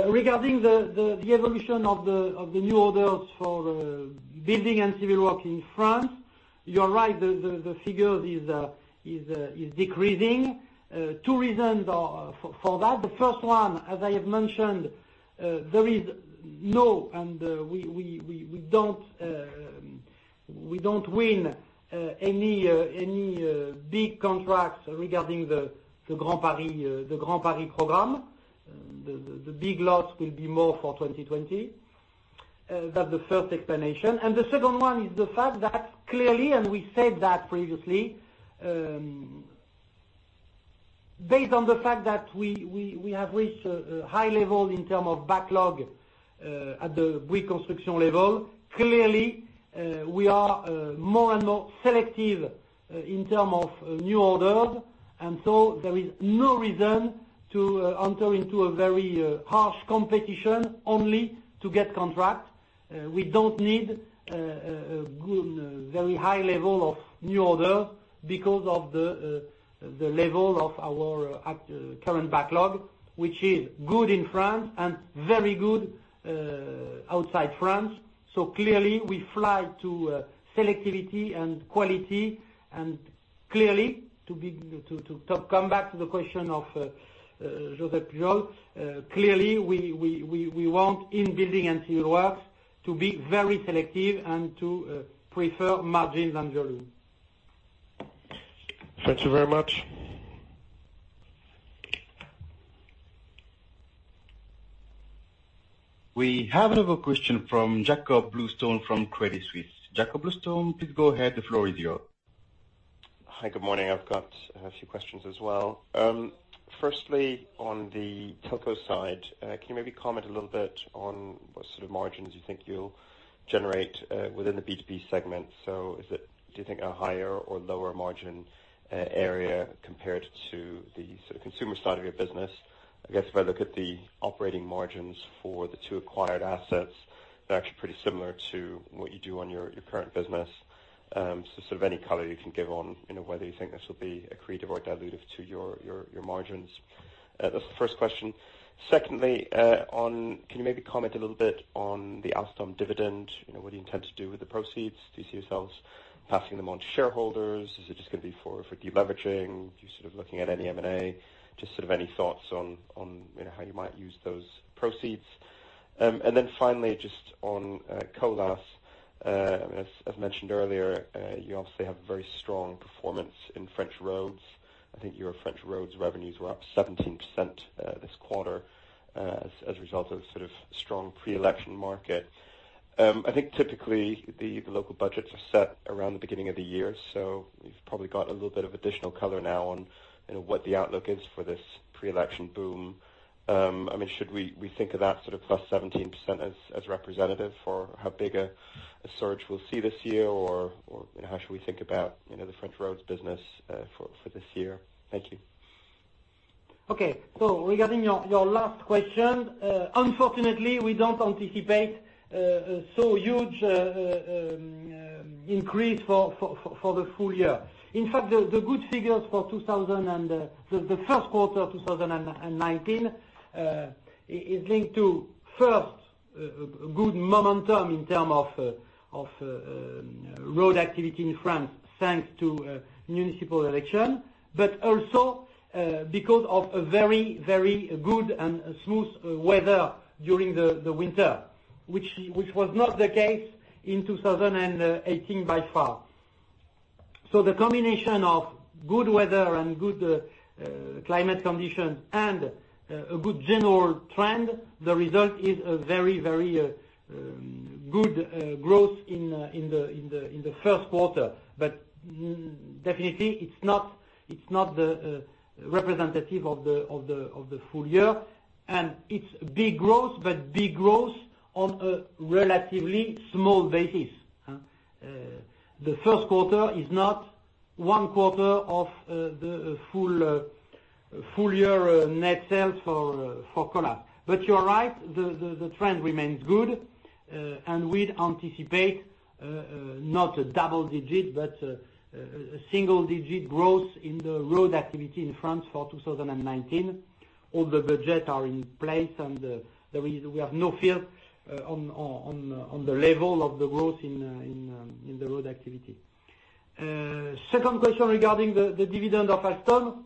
Regarding the evolution of the new orders for building and civil work in France, you're right, the figure is decreasing. Two reasons for that. The first one, as I have mentioned, there is no, we don't win any big contracts regarding the Grand Paris program. The big loss will be more for 2020. That's the first explanation. The second one is the fact that clearly, we said that previously, based on the fact that we have reached a high level in term of backlog at the reconstruction level, clearly, we are more and more selective in term of new orders. There is no reason to enter into a very harsh competition only to get contract. We don't need a very high level of new order because of the level of our current backlog, which is good in France and very good outside France. Clearly, we fly to selectivity and quality, and clearly, to come back to the question of Joseph Pujal, clearly, we want in building and civil works to be very selective and to prefer margin than volume. Thank you very much We have another question from Jakob Bluestone from Credit Suisse. Jakob Bluestone, please go ahead. The floor is yours. Hi, good morning. I've got a few questions as well. Firstly, on the telco side, can you maybe comment a little bit on what sort of margins you think you'll generate, within the B2B segment? Is it, do you think, a higher or lower margin area compared to the consumer side of your business? I guess if I look at the operating margins for the two acquired assets, they're actually pretty similar to what you do on your current business. Sort of any color you can give on, whether you think this will be accretive or dilutive to your margins. That's the first question. Secondly, can you maybe comment a little bit on the Alstom dividend? What do you intend to do with the proceeds? Do you see yourselves passing them on to shareholders? Is it just going to be for de-leveraging? Are you looking at any M&A? Just any thoughts on how you might use those proceeds. Finally, just on Colas. As mentioned earlier, you obviously have very strong performance in French roads. I think your French roads revenues were up 17% this quarter, as a result of strong pre-election market. I think typically the local budgets are set around the beginning of the year, you've probably got a little bit of additional color now on what the outlook is for this pre-election boom. Should we think of that plus 17% as representative for how big a surge we'll see this year, or how should we think about the French roads business for this year? Thank you. Okay. Regarding your last question, unfortunately, we don't anticipate so huge increase for the full year. In fact, the good figures for the first quarter of 2019, is linked to, first, good momentum in term of road activity in France, thanks to municipal election. Also, because of a very, very good and smooth weather during the winter, which was not the case in 2018, by far. The combination of good weather and good climate condition and a good general trend, the result is a very, very good growth in the first quarter. Definitely, it's not representative of the full year, and it's big growth, but big growth on a relatively small basis. The first quarter is not one quarter of the full year net sales for Colas. You're right, the trend remains good. We'd anticipate, not a double-digit, but a single-digit growth in the road activity in France for 2019. All the budget are in place. We have no fear on the level of the growth in the road activity. Second question regarding the dividend of Alstom.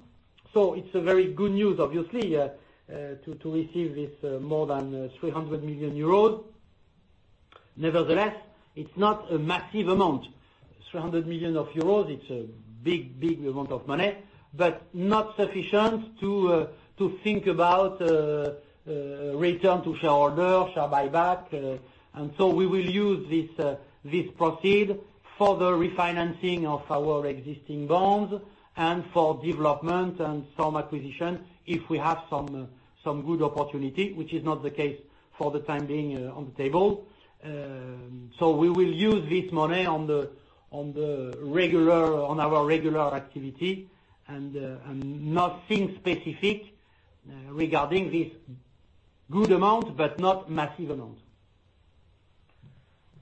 It's a very good news, obviously, to receive this more than 300 million euros. Nevertheless, it's not a massive amount. 300 million euros, it's a big, big amount of money, but not sufficient to think about return to shareholder, share buyback. We will use this proceed for the refinancing of our existing bonds and for development and some acquisition, if we have some good opportunity, which is not the case for the time being on the table. We will use this money on our regular activity. Nothing specific regarding this good amount, but not massive amount.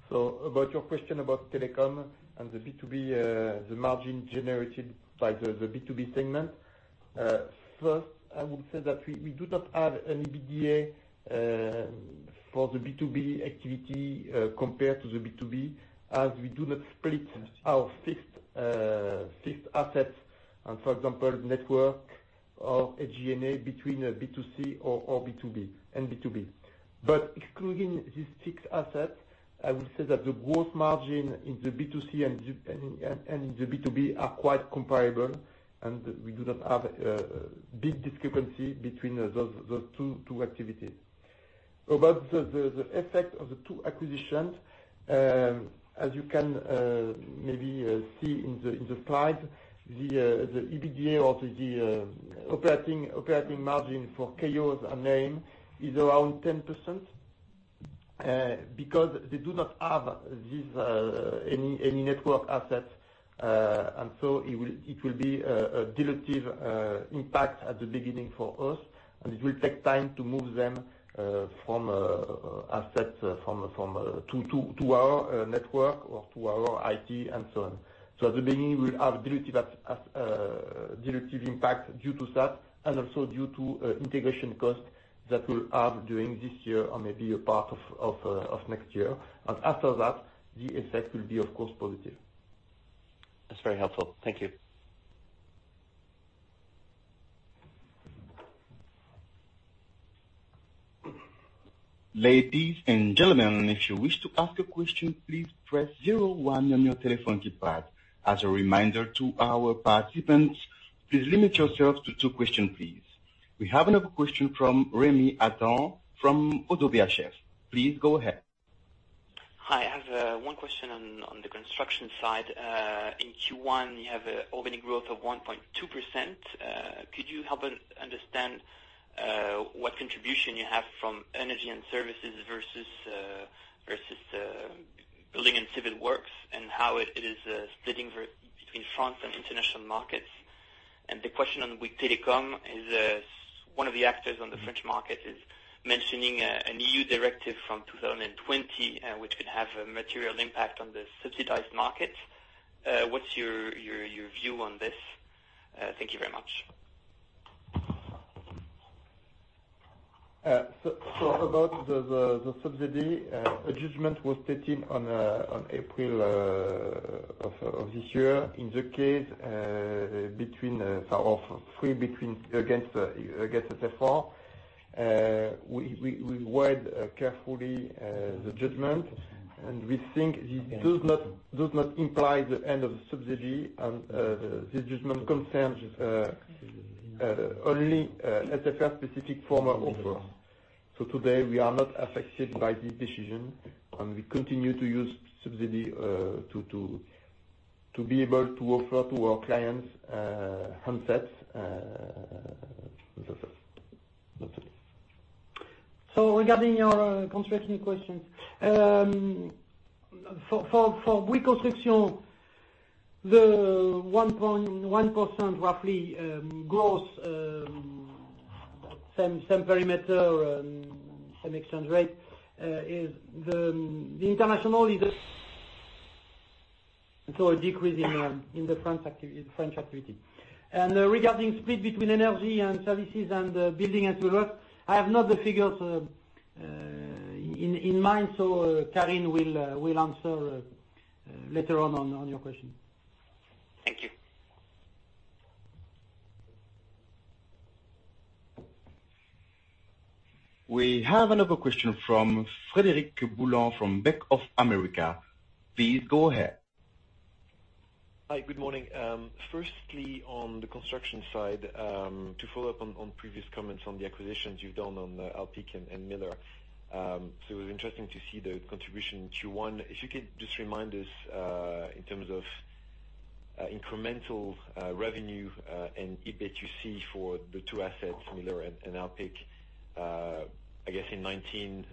About your question about telecom and the B2B, the margin generated by the B2B segment. First, I would say that we do not have any EBITDA for the B2B activity, compared to the B2B, as we do not split our fixed assets, for example, network or a G&A between B2C and B2B. Excluding these fixed assets, I would say that the growth margin in the B2C and in the B2B are quite comparable. We do not have a big discrepancy between those two activities. About the effect of the two acquisitions, as you can maybe see in the slide, the EBITDA or the operating margin for Keolis and AIM is around 10% because they do not have any network assets. It will be a dilutive impact at the beginning for us. It will take time to move them from assets to our network or to our IT and so on. At the beginning, we'll have dilutive impact due to that and also due to integration cost that we'll have during this year or maybe a part of next year. After that, the effect will be, of course, positive. That's very helpful. Thank you. Ladies and gentlemen, if you wish to ask a question, please press zero one on your telephone keypad. As a reminder to our participants, please limit yourself to two question, please. We have another question from Rémi Adam from Oddo BHF. Please go ahead. Hi. I have one question on the construction side. In Q1, you have organic growth of 1.2%. Could you help us understand what contribution you have from energy and services versus building and civil works, and how it is splitting between France and international markets? The question on Bouygues Telecom is, one of the actors on the French market is mentioning a new directive from 2020, which could have a material impact on the subsidized market. What's your view on this? Thank you very much. About the subsidy, a judgment was taken on April of this year in the case against SFR. We read carefully the judgment, we think it does not imply the end of the subsidy. This judgment concerns only SFR's specific former offer. Today, we are not affected by this decision, we continue to use subsidy to be able to offer to our clients handsets. Regarding your construction questions. For Bouygues Construction, the 1.1% roughly growth, same perimeter, same exchange rate, the international is a decrease in the French activity. Regarding split between energy and services and building and civil work, I have not the figures in mind, so Karine will answer later on your question. Thank you. We have another question from Frédéric Boulan from Bank of America. Please go ahead. Hi, good morning. On the construction side, to follow up on previous comments on the acquisitions you've done on Alpiq and Miller. It was interesting to see the contribution in Q1. If you could just remind us, in terms of incremental revenue and EBIT you see for the two assets, Miller and Alpiq, I guess in 2019,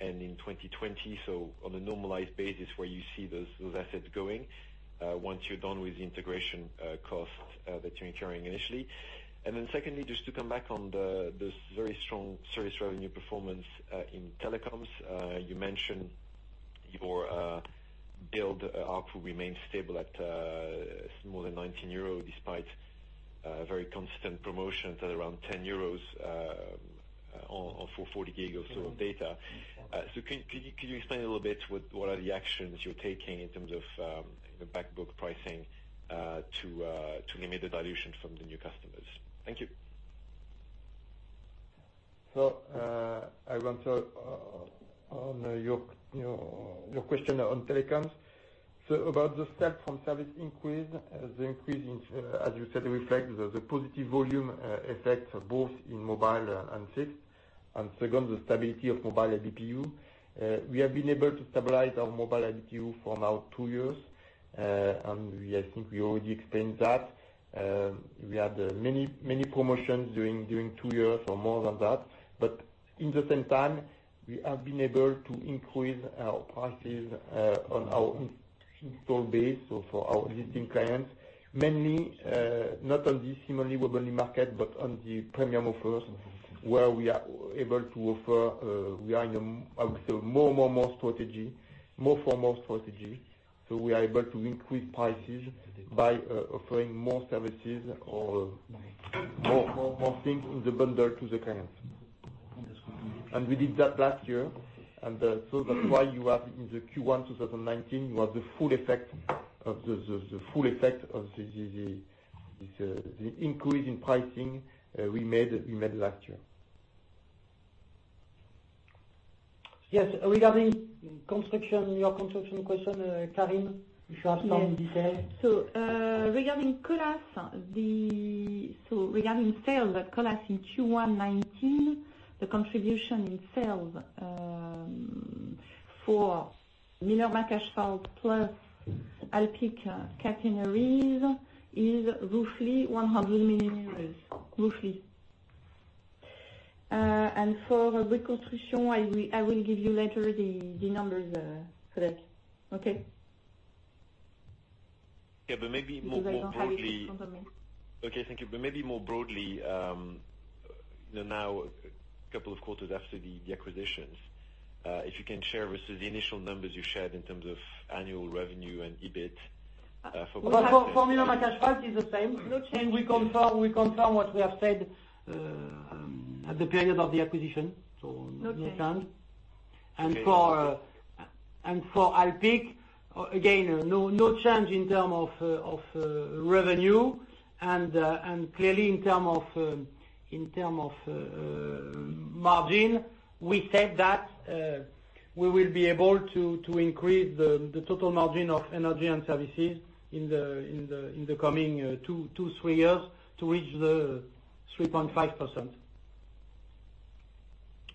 and in 2020. On a normalized basis, where you see those assets going, once you're done with the integration costs that you're incurring initially. Then secondly, just to come back on the very strong service revenue performance in telecoms. You mentioned your billed ARPU remains stable at more than 19 euro, despite very constant promotions at around 10 euros for 40 GB of data. Could you explain a little bit what are the actions you're taking in terms of the back book pricing to limit the dilution from the new customers? Thank you. I will answer on your question on telecoms. About the step from service increase. The increase in, as you said, reflects the positive volume effects both in mobile and fixed. Second, the stability of mobile ARPU. We have been able to stabilize our mobile ARPU for now two years. I think we already explained that. We had many promotions during two years or more than that, but in the same time, we have been able to increase our prices on our install base. For our existing clients. Mainly, not on the similarly mobile market, but on the premium offers, where we are able to offer I would say more strategy. More for more strategy. We are able to increase prices by offering more services or more things in the bundle to the clients. We did that last year. That's why you have in the Q1 2019, you have the full effect of the increase in pricing we made last year. Yes. Regarding your construction question, Karine, if you have some detail. Regarding Colas. Regarding sales at Colas in Q1 2019, the contribution in sales for Miller McAsphalt plus Alpiq Catenaries is roughly EUR 100 million. For reconstruction, I will give you later the numbers for that. Okay. Maybe more broadly. I don't have it in front of me. Okay, thank you. Maybe more broadly, now a couple of quarters after the acquisitions, if you can share versus the initial numbers you shared in terms of annual revenue and EBIT for both. For Miller McAsphalt, it's the same. No change. We confirm what we have said at the period of the acquisition. No change. Okay. For Alpiq, again, no change in term of revenue. Clearly in term of margin, we said that we will be able to increase the total margin of energy and services in the coming two, three years to reach the 3.5%.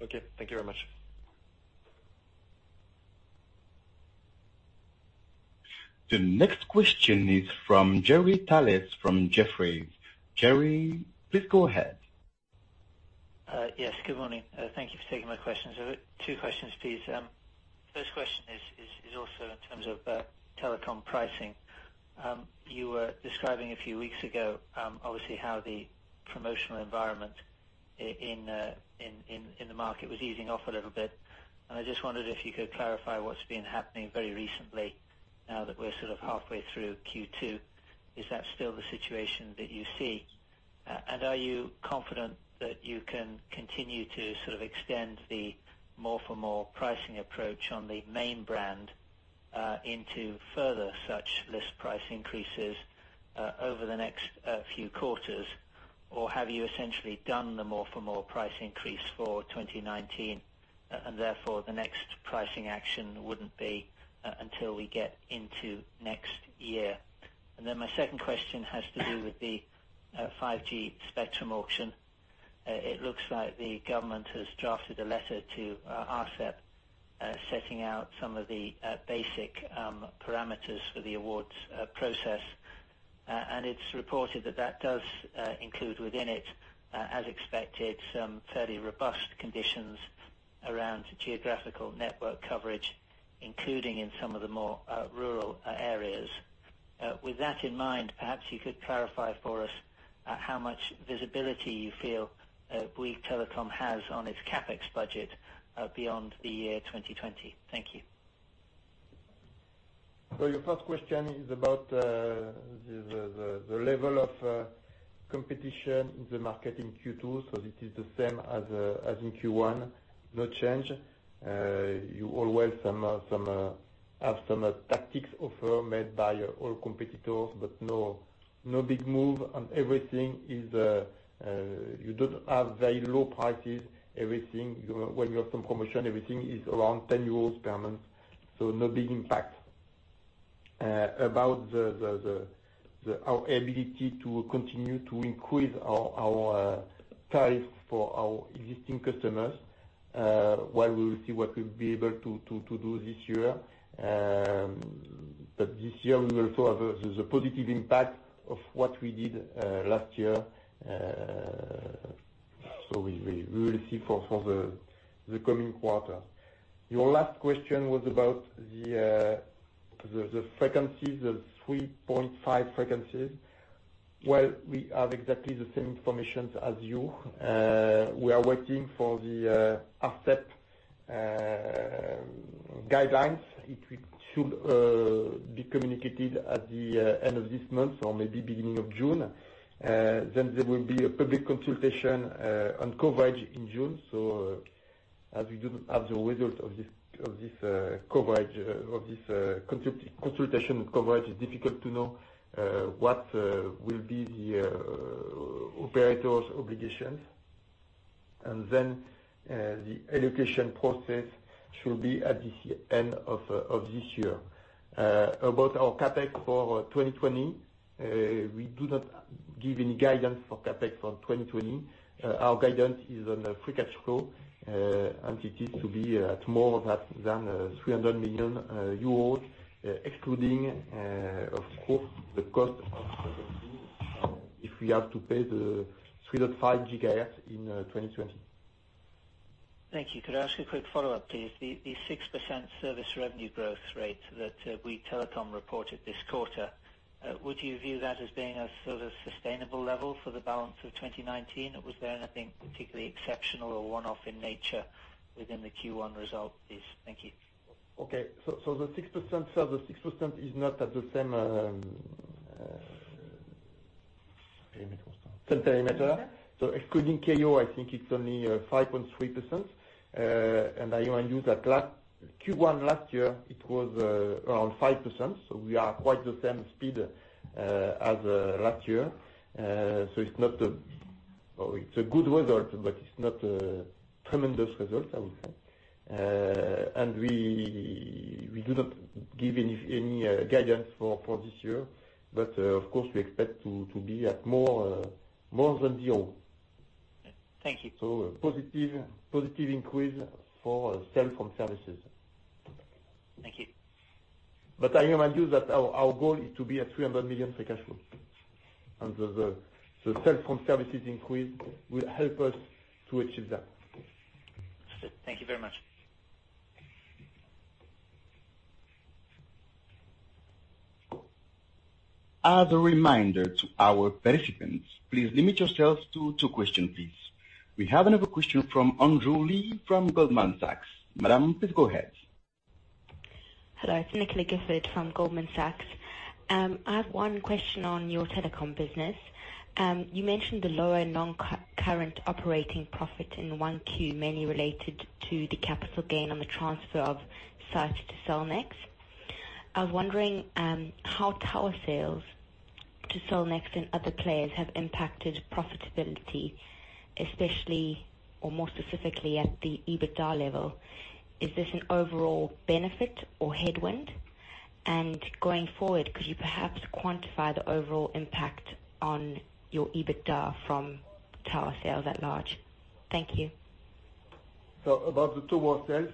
Okay. Thank you very much. The next question is from Jerry Dellis from Jefferies. Jerry, please go ahead. Yes, good morning. Thank you for taking my questions. I've got two questions, please. First question is also in terms of telecom pricing. You were describing a few weeks ago, obviously, how the promotional environment in the market was easing off a little bit. I just wondered if you could clarify what's been happening very recently now that we're sort of halfway through Q2. Is that still the situation that you see? Are you confident that you can continue to sort of extend the more-for-more pricing approach on the main brand into further such list price increases over the next few quarters? Or have you essentially done the more-for-more price increase for 2019, and therefore the next pricing action wouldn't be until we get into next year? My second question has to do with the 5G spectrum auction. It looks like the government has drafted a letter to ARCEP, setting out some of the basic parameters for the awards process. It's reported that that does include within it, as expected, some fairly robust conditions around geographical network coverage, including in some of the more rural areas. With that in mind, perhaps you could clarify for us how much visibility you feel Bouygues Telecom has on its CapEx budget beyond the year 2020. Thank you. Your first question is about the level of competition in the market in Q2. This is the same as in Q1. No change. You always have some tactics offer made by all competitors, but no big move and you don't have very low prices. When you have some promotion, everything is around 10 euros per month, no big impact. About our ability to continue to increase our tariff for our existing customers, we will see what we'll be able to do this year. This year we will have the positive impact of what we did last year. We will see for the coming quarter. Your last question was about the frequencies, the 3.5 GHz frequencies. We have exactly the same information as you. We are waiting for the ARCEP guidelines. It should be communicated at the end of this month or maybe beginning of June. There will be a public consultation on coverage in June. As we don't have the result of this consultation coverage, it's difficult to know what will be the operator's obligations. The allocation process should be at the end of this year. About our CapEx for 2020, we do not give any guidance for CapEx for 2020. Our guidance is on free cash flow, and it is to be at more than 300 million euros, excluding, of course, the cost of if we have to pay the 3.5 GHz in 2020. Thank you. Could I ask a quick follow-up, please? The 6% service revenue growth rate that Bouygues Telecom reported this quarter, would you view that as being a sort of sustainable level for the balance of 2019? Was there anything particularly exceptional or one-off in nature within the Q1 result, please? Thank you. Okay. The 6% is not at the same perimeter. Excluding Keyyo, I think it's only 5.3%. I remind you that Q1 last year, it was around 5%. We are quite the same speed as last year. It's a good result, it's not a tremendous result, I would say. We do not give any guidance for this year. Of course, we expect to be at more than zero. Thank you. A positive increase for telecom services. Thank you. I remind you that our goal is to be at 300 million free cash flow, and the telecom services increase will help us to achieve that. Thank you very much. As a reminder to our participants, please limit yourself to two questions, please. We have another question from Andrew Li from Goldman Sachs. Madam, please go ahead. Hello. It's Nicola Gifford from Goldman Sachs. I have one question on your telecom business. You mentioned the lower non-current operating profit in 1Q, mainly related to the capital gain on the transfer of site to Cellnex. I was wondering how tower sales to Cellnex and other players have impacted profitability, especially or more specifically at the EBITDA level. Is this an overall benefit or headwind? Going forward, could you perhaps quantify the overall impact on your EBITDA from tower sales at large? Thank you. About the tower sales,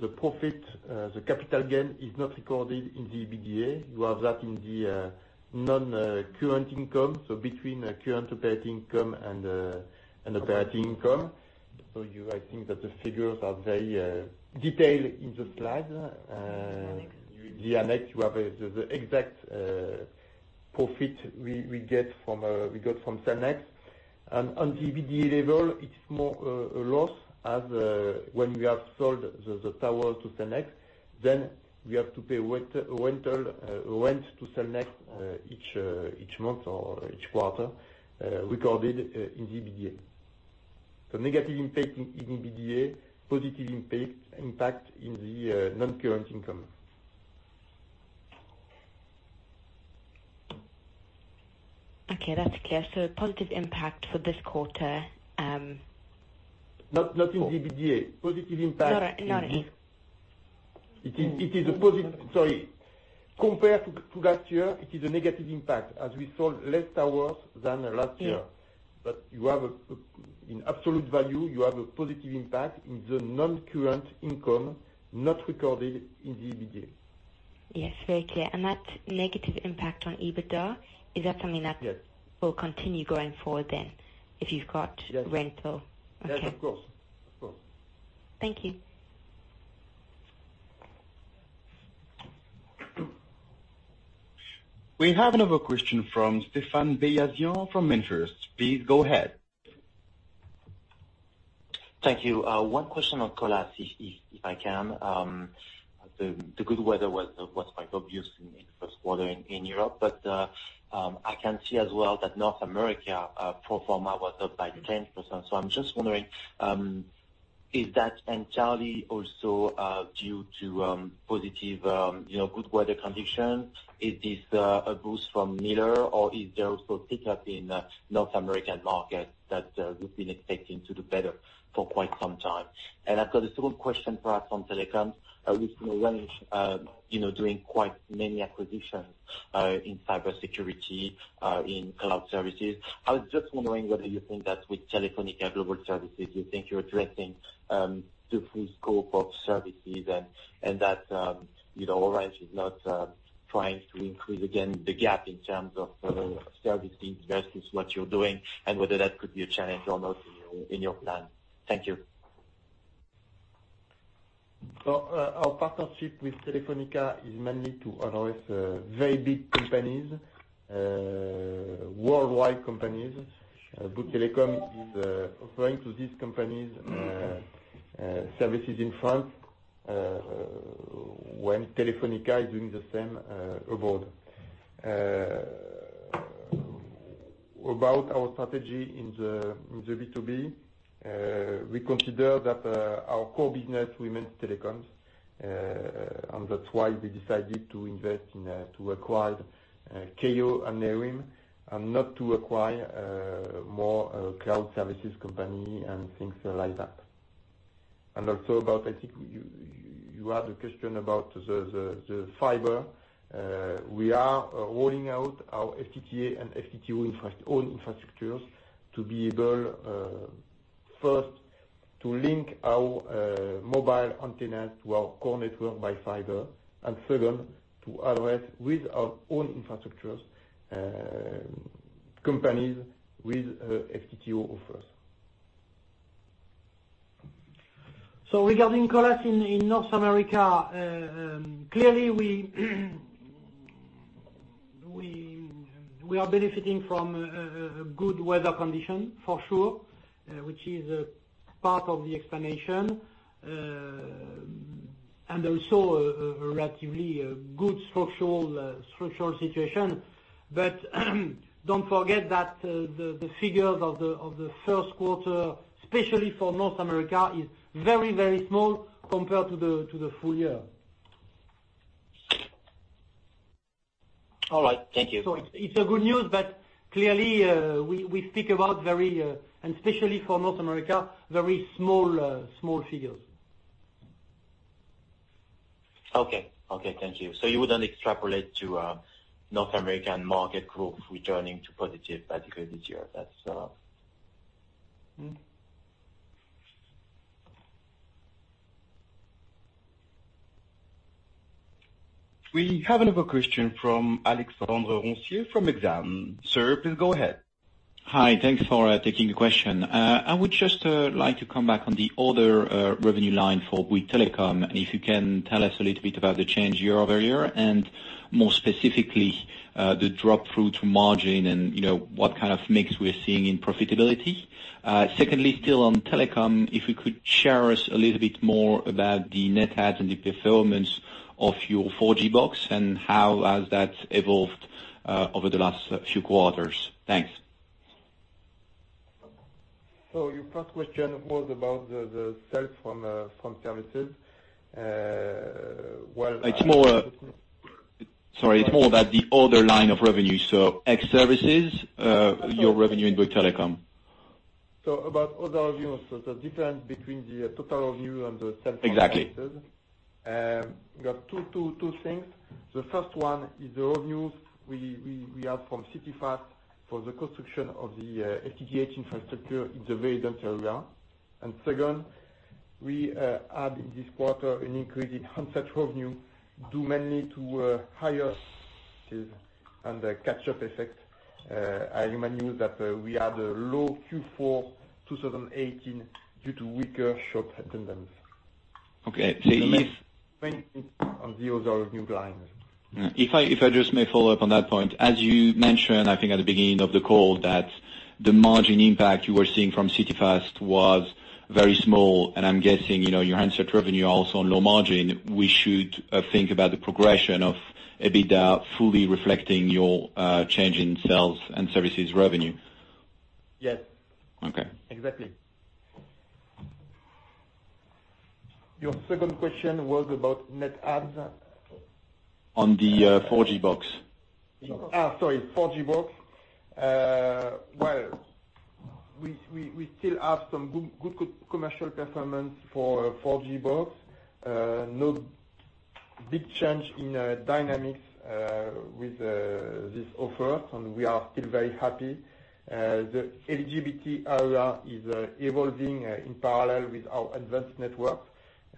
the profit, the capital gain is not recorded in the EBITDA. You have that in the non-current income, between current operating income and operating income. I think that the figures are very detailed in the slide. Okay. Via net, you have the exact profit we got from Cellnex. On EBITDA level, it's more a loss as when we have sold the tower to Cellnex, then we have to pay rent to Cellnex each month or each quarter, recorded in EBITDA. Negative impact in EBITDA, positive impact in the non-current income. Okay, that's clear. A positive impact for this quarter. Not in EBITDA. Positive impact in. No. Sorry. Compared to last year, it is a negative impact as we sold less towers than last year. In absolute value, you have a positive impact in the non-current income, not recorded in the EBITDA. Yes, very clear. That negative impact on EBITDA, is that something that- Yes. will continue going forward then, if you've got rental? Yes, of course. Thank you. We have another question from Stéphane Beyazian from MainFirst. Please go ahead. Thank you. One question on Colas, if I can. The good weather was quite obvious in the first quarter in Europe. I can see as well that North America pro forma was up by 10%. I'm just wondering, is that entirely also due to positive good weather conditions? Is this a boost from Miller? Is there also pickup in North American market that we've been expecting to do better for quite some time? I've got a second question, perhaps on Telecom. We've seen Orange doing quite many acquisitions in cybersecurity, in cloud services. I was just wondering whether you think that with Telefónica Global Solutions, you think you're addressing the full scope of services and that Orange is not trying to increase again the gap in terms of services versus what you're doing, and whether that could be a challenge or not in your plan. Thank you. Our partnership with Telefónica is mainly to address very big companies, worldwide companies. Bouygues Telecom is offering to these companies services in France, when Telefónica is doing the same abroad. Our strategy in the B2B, we consider that our core business remains telecoms, and that's why we decided to acquire Keyyo and Nerim and not to acquire more cloud services company and things like that. Also, I think you had a question about the fiber. We are rolling out our FTTA and FTTO own infrastructures to be able, first, to link our mobile antennas to our core network by fiber, and second, to address with our own infrastructures companies with FTTO offers. Regarding Colas in North America, clearly we are benefiting from a good weather condition, for sure, which is a part of the explanation. Also a relatively good structural situation. Don't forget that the figures of the first quarter, especially for North America, is very small compared to the full year. All right. Thank you. It's a good news, but clearly, we speak about very, and especially for North America, very small figures. Okay. Thank you. You wouldn't extrapolate to North American market growth returning to positive basically this year? We have another question from Alexandre Roncier from Exane. Sir, please go ahead. Hi. Thanks for taking the question. I would just like to come back on the other revenue line for Bouygues Telecom, and if you can tell us a little bit about the change year-over-year, and more specifically, the drop-through to margin and what kind of mix we're seeing in profitability. Secondly, still on Telecom, if you could share us a little bit more about the net adds and the performance of your 4G box, and how has that evolved over the last few quarters. Thanks. Your first question was about the sales from services. It's more about the other line of revenue. X services, your revenue in Bouygues Telecom. About other revenues. The difference between the total revenue and the cellphone. Exactly. We got two things. The first one is the revenues we have from CityFast for the construction of the FTTH infrastructure in the relevant area. Second, we add in this quarter an increase in handset revenue, due mainly to higher On the 4G Box. Sorry. 4G box. Well, we still have some good commercial performance for 4G box. No big change in dynamics with this offer. We are still very happy. The eligibility area is evolving in parallel with our advanced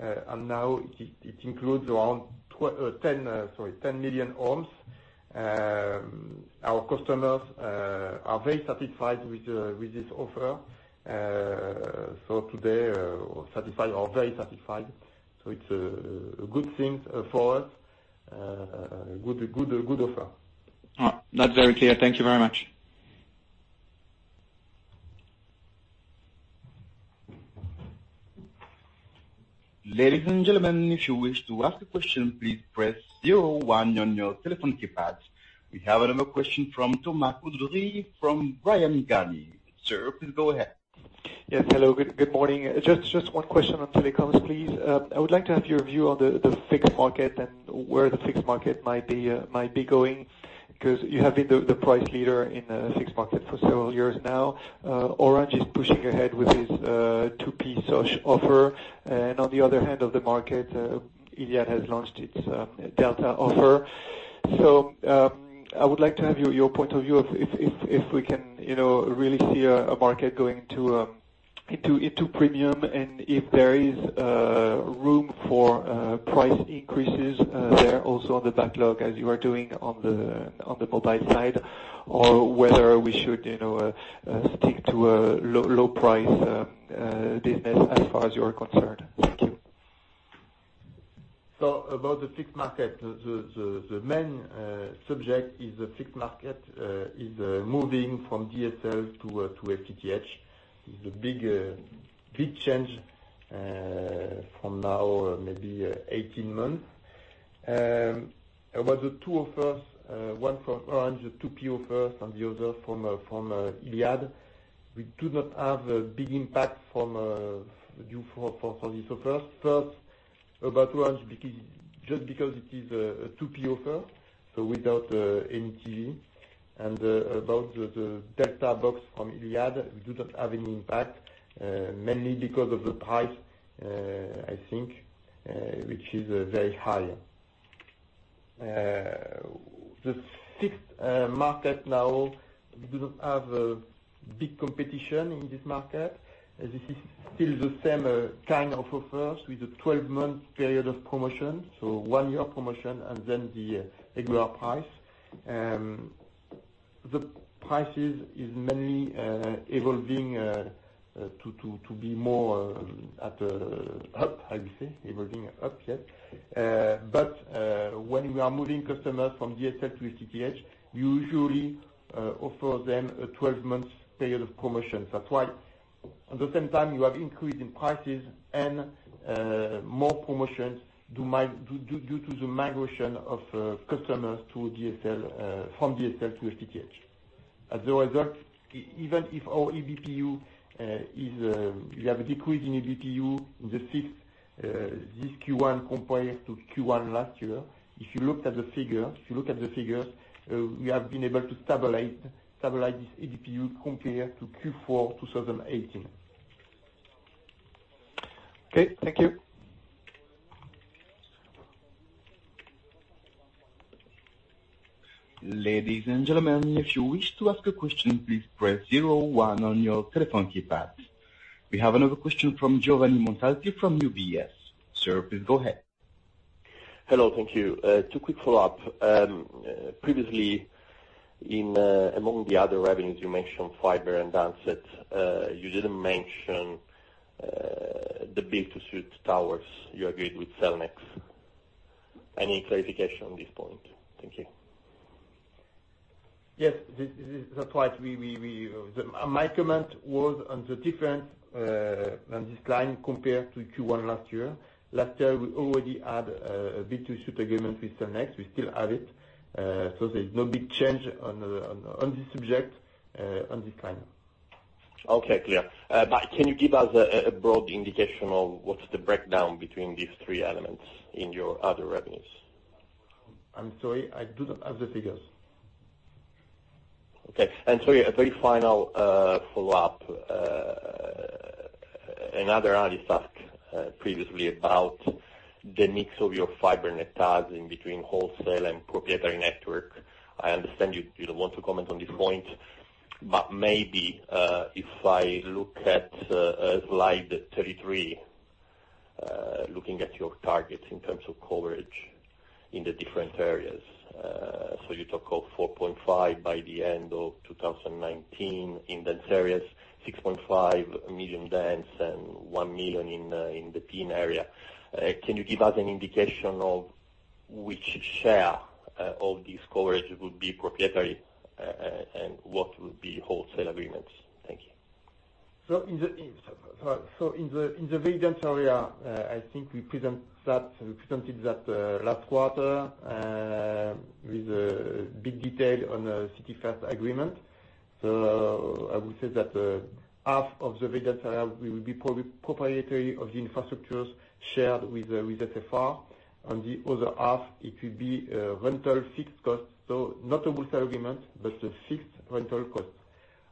network. Now it includes around 10 million homes. Our customers are very satisfied with this offer. Today, satisfied or very satisfied. It's a good thing for us. Good offer. That's very clear. Thank you very much. Ladies and gentlemen, if you wish to ask a question, please press zero one on your telephone keypad. We have another question from Thomas Coudry from Bryan Garnier Sir, please go ahead. Yes, hello. Good morning. Just one question on telecoms, please. I would like to have your view on the fixed market and where the fixed market might be going. You have been the price leader in the fixed market for several years now. Orange is pushing ahead with its 2P offer. On the other hand of the market, Iliad has launched its Delta offer. I would like to have your point of view if we can really see a market going into premium and if there is room for price increases there also on the backlog as you are doing on the mobile side. Whether we should stick to a low price business as far as you are concerned. Thank you. About the fixed market. The main subject is the fixed market is moving from DSL to FTTH. It is the big change from now maybe 18 months. About the two offers, one from Orange, the 2P offer, and the other from Iliad. We do not have a big impact from this offer. First, about Orange, just because it is a 2P offer, so without any TV. About the Delta box from Iliad, we do not have any impact, mainly because of the price, I think, which is very high. The fixed market now, we do not have a big competition in this market. This is still the same kind of offers with a 12-month period of promotion. One year promotion and then the regular price. The prices are mainly evolving to be more up, I would say, evolving up. When we are moving customers from DSL to FTTH, we usually offer them a 12-month period of promotion. That's why at the same time you have increase in prices and more promotions due to the migration of customers from DSL to FTTH. As a result, even if our ABPU, we have a decrease in ABPU in the fixed, this Q1 compared to Q1 last year. If you look at the figure, we have been able to stabilize this ABPU compared to Q4 2018. Okay, thank you. Ladies and gentlemen, if you wish to ask a question, please press zero one on your telephone keypad. We have another question from Giovanni Montalti from UBS. Sir, please go ahead. Hello. Thank you. Two quick follow-up. Previously, among the other revenues you mentioned fiber and handsets. You didn't mention the build-to-suit towers you agreed with Cellnex. Any clarification on this point? Thank you. Yes. That's right. My comment was on the difference on this line compared to Q1 last year. Last year, we already had a build-to-suit agreement with Cellnex. We still have it. There's no big change on this subject, on this line. Okay, clear. Can you give us a broad indication of what's the breakdown between these three elements in your other revenues? I'm sorry, I do not have the figures. Sorry, a very final follow-up. Another analyst asked previously about the mix of your fiber net tasks in between wholesale and proprietary network. I understand you don't want to comment on this point, but maybe, if I look at slide 33, looking at your targets in terms of coverage in the different areas. You talk of 4.5 by the end of 2019 in dense areas, 6.5 million dense and 1 million in the RIP area. Can you give us an indication of which share of this coverage would be proprietary, and what would be wholesale agreements? Thank you. In the very dense area, I think we presented that last quarter, with a big detail on the CityFast agreement. I would say that half of the very dense area will be proprietary of the infrastructures shared with SFR, and the other half it will be a rental fixed cost. Not a wholesale agreement, but a fixed rental cost.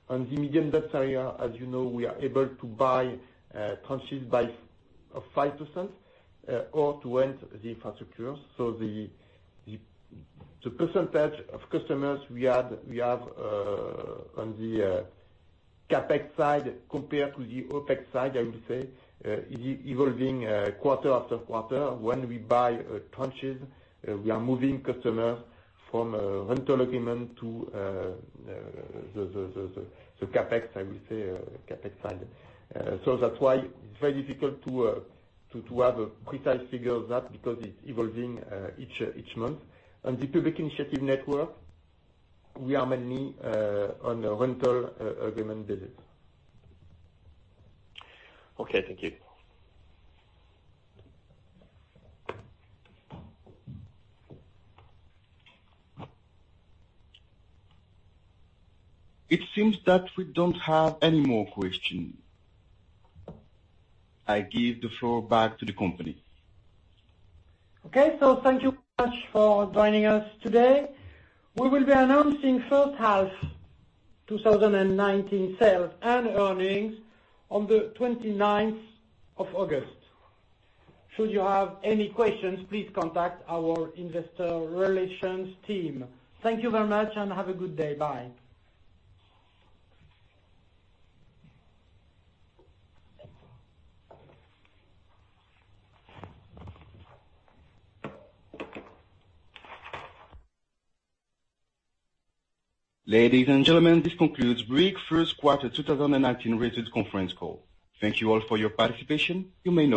On the medium dense area, as you know, we are able to buy tranches by 5%, or to rent the infrastructure. The percentage of customers we have on the CapEx side compared to the OpEx side, I would say, evolving quarter after quarter. When we buy tranches, we are moving customers from a rental agreement to the CapEx side. That's why it's very difficult to have a precise figure of that because it's evolving each month. On the public initiative network, we are mainly on a rental agreement basis. Okay, thank you. It seems that we don't have any more questions. I give the floor back to the company. Okay, thank you much for joining us today. We will be announcing first half 2019 sales and earnings on the 29th of August. Should you have any questions, please contact our investor relations team. Thank you very much and have a good day. Bye. Ladies and gentlemen, this concludes Bouygues first quarter 2019 results conference call. Thank you all for your participation. You may now disconnect.